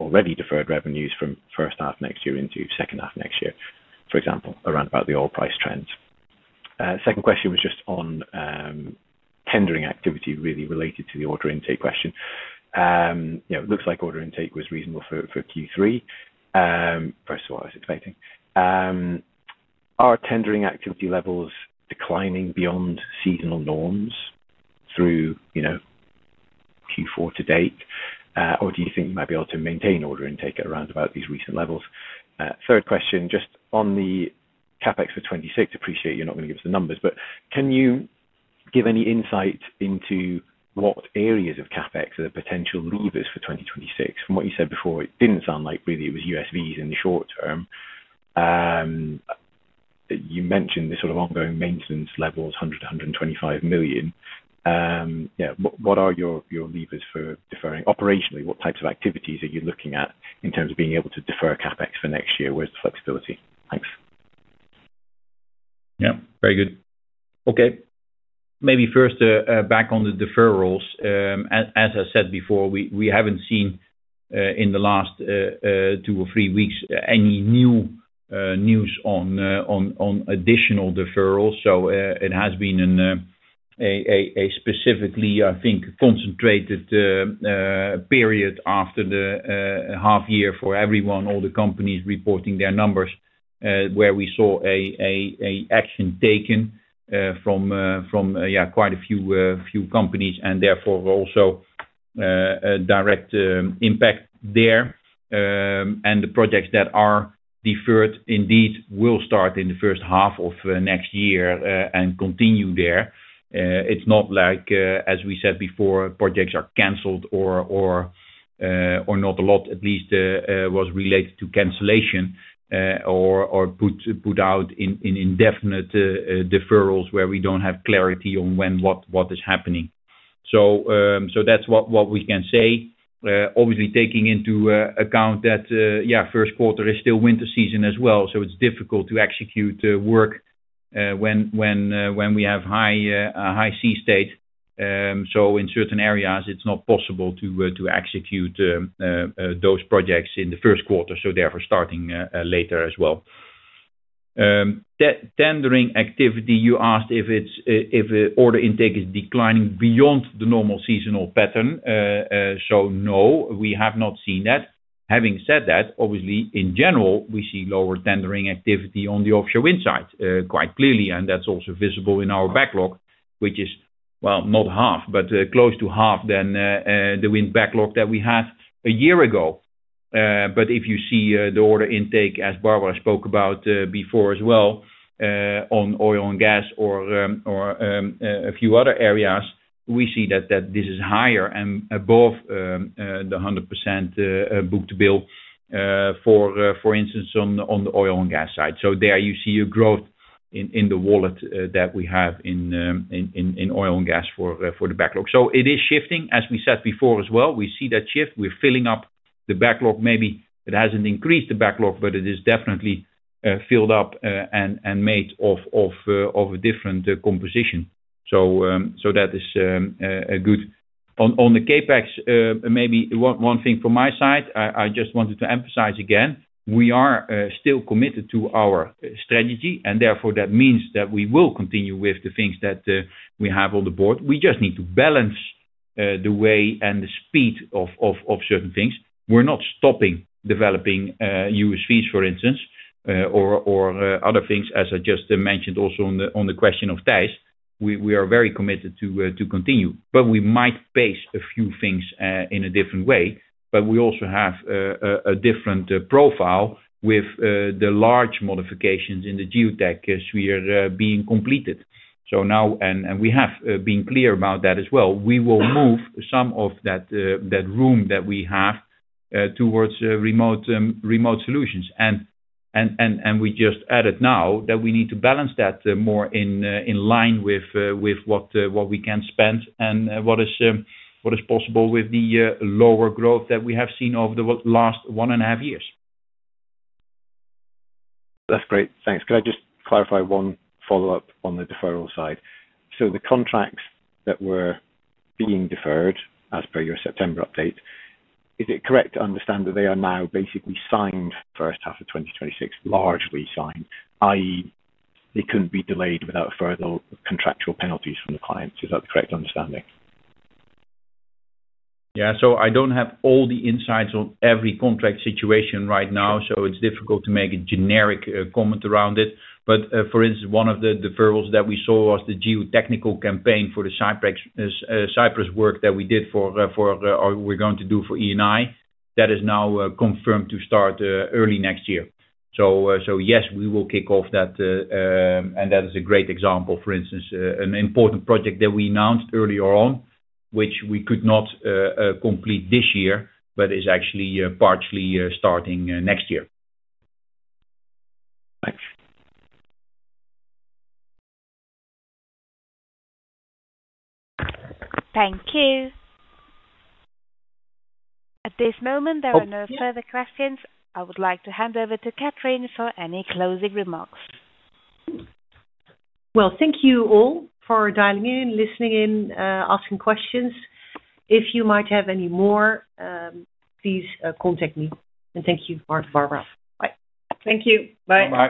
already deferred revenues from first half next year into second half next year, for example, around about the oil price trends. Second question was just on tendering activity, really related to the order intake question. It looks like order intake was reasonable for Q3. First of all, I was expecting, are tendering activity levels declining beyond seasonal norms through Q4 to date? Or do you think you might be able to maintain order intake at around about these recent levels? Third question, just on the CapEx for 2026, appreciate you're not going to give us the numbers, but can you give any insight into what areas of CapEx are the potential levers for 2026? From what you said before, it didn't sound like really it was USVs in the short term. You mentioned the sort of ongoing maintenance levels, 100 to 125 million. What are your levers for deferring? Operationally, what types of activities are you looking at in terms of being able to defer CapEx for next year? Where's the flexibility? Thanks. Yeah. Very good. Okay. Maybe first, back on the deferrals. As I said before, we haven't seen, in the last two or three weeks, any new news on additional deferrals. It has been a specifically, I think, concentrated period after the half year for everyone, all the companies reporting their numbers, where we saw action taken from quite a few companies, and therefore also direct impact there. The projects that are deferred indeed will start in the first half of next year and continue there. It's not like, as we said before, projects are canceled or, or not a lot, at least, was related to cancellation, or put out in indefinite deferrals where we don't have clarity on when, what is happening. That's what we can say. Obviously, taking into account that, yeah, first quarter is still winter season as well, so it's difficult to execute work when we have high sea state. In certain areas, it's not possible to execute those projects in the first quarter, therefore starting later as well. Tendering activity, you asked if order intake is declining beyond the normal seasonal pattern. No, we have not seen that. Having said that, obviously, in general, we see lower tendering activity on the offshore wind side, quite clearly, and that's also visible in our backlog, which is, well, not half, but close to half than the wind backlog that we had a year ago. If you see the order intake, as Barbara spoke about before as well, on oil and gas or a few other areas, we see that this is higher and above the 100% book to bill, for instance, on the oil and gas side. There you see a growth in the wallet that we have in oil and gas for the backlog. It is shifting, as we said before as well. We see that shift. We're filling up the backlog. Maybe it hasn't increased the backlog, but it is definitely filled up and made of a different composition. That is good. On the CapEx, maybe one thing from my side, I just wanted to emphasize again, we are still committed to our strategy, and therefore that means that we will continue with the things that we have on the board. We just need to balance the way and the speed of certain things. We're not stopping developing USVs, for instance, or other things, as I just mentioned also on the question of Teijs. We are very committed to continue, but we might pace a few things in a different way. We also have a different profile with the large modifications in the geotechnical survey being completed. We have been clear about that as well. We will move some of that room that we have towards remote solutions. We just added now that we need to balance that more in line with what we can spend and what is possible with the lower growth that we have seen over the last one and a half years. That's great. Thanks. Could I just clarify one follow-up on the deferral side? The contracts that were being deferred, as per your September update, is it correct to understand that they are now basically signed first half of 2026, largely signed, i.e., they couldn't be delayed without further contractual penalties from the clients? Is that the correct understanding? I don't have all the insights on every contract situation right now, so it's difficult to make a generic comment around it. For instance, one of the deferrals that we saw was the geotechnical campaign for the Cyprus work that we did for, or we're going to do for Eni. That is now confirmed to start early next year. Yes, we will kick off that, and that is a great example. For instance, an important project that we announced earlier on, which we could not complete this year, but is actually partially starting next year. Thanks. Thank you. At this moment, there are no further questions. I would like to hand over to Catrien for any closing remarks. Thank you all for dialing in, listening in, asking questions. If you might have any more, please contact me. Thank you, Mark, Barbara. Bye. Thank you. Bye. Bye.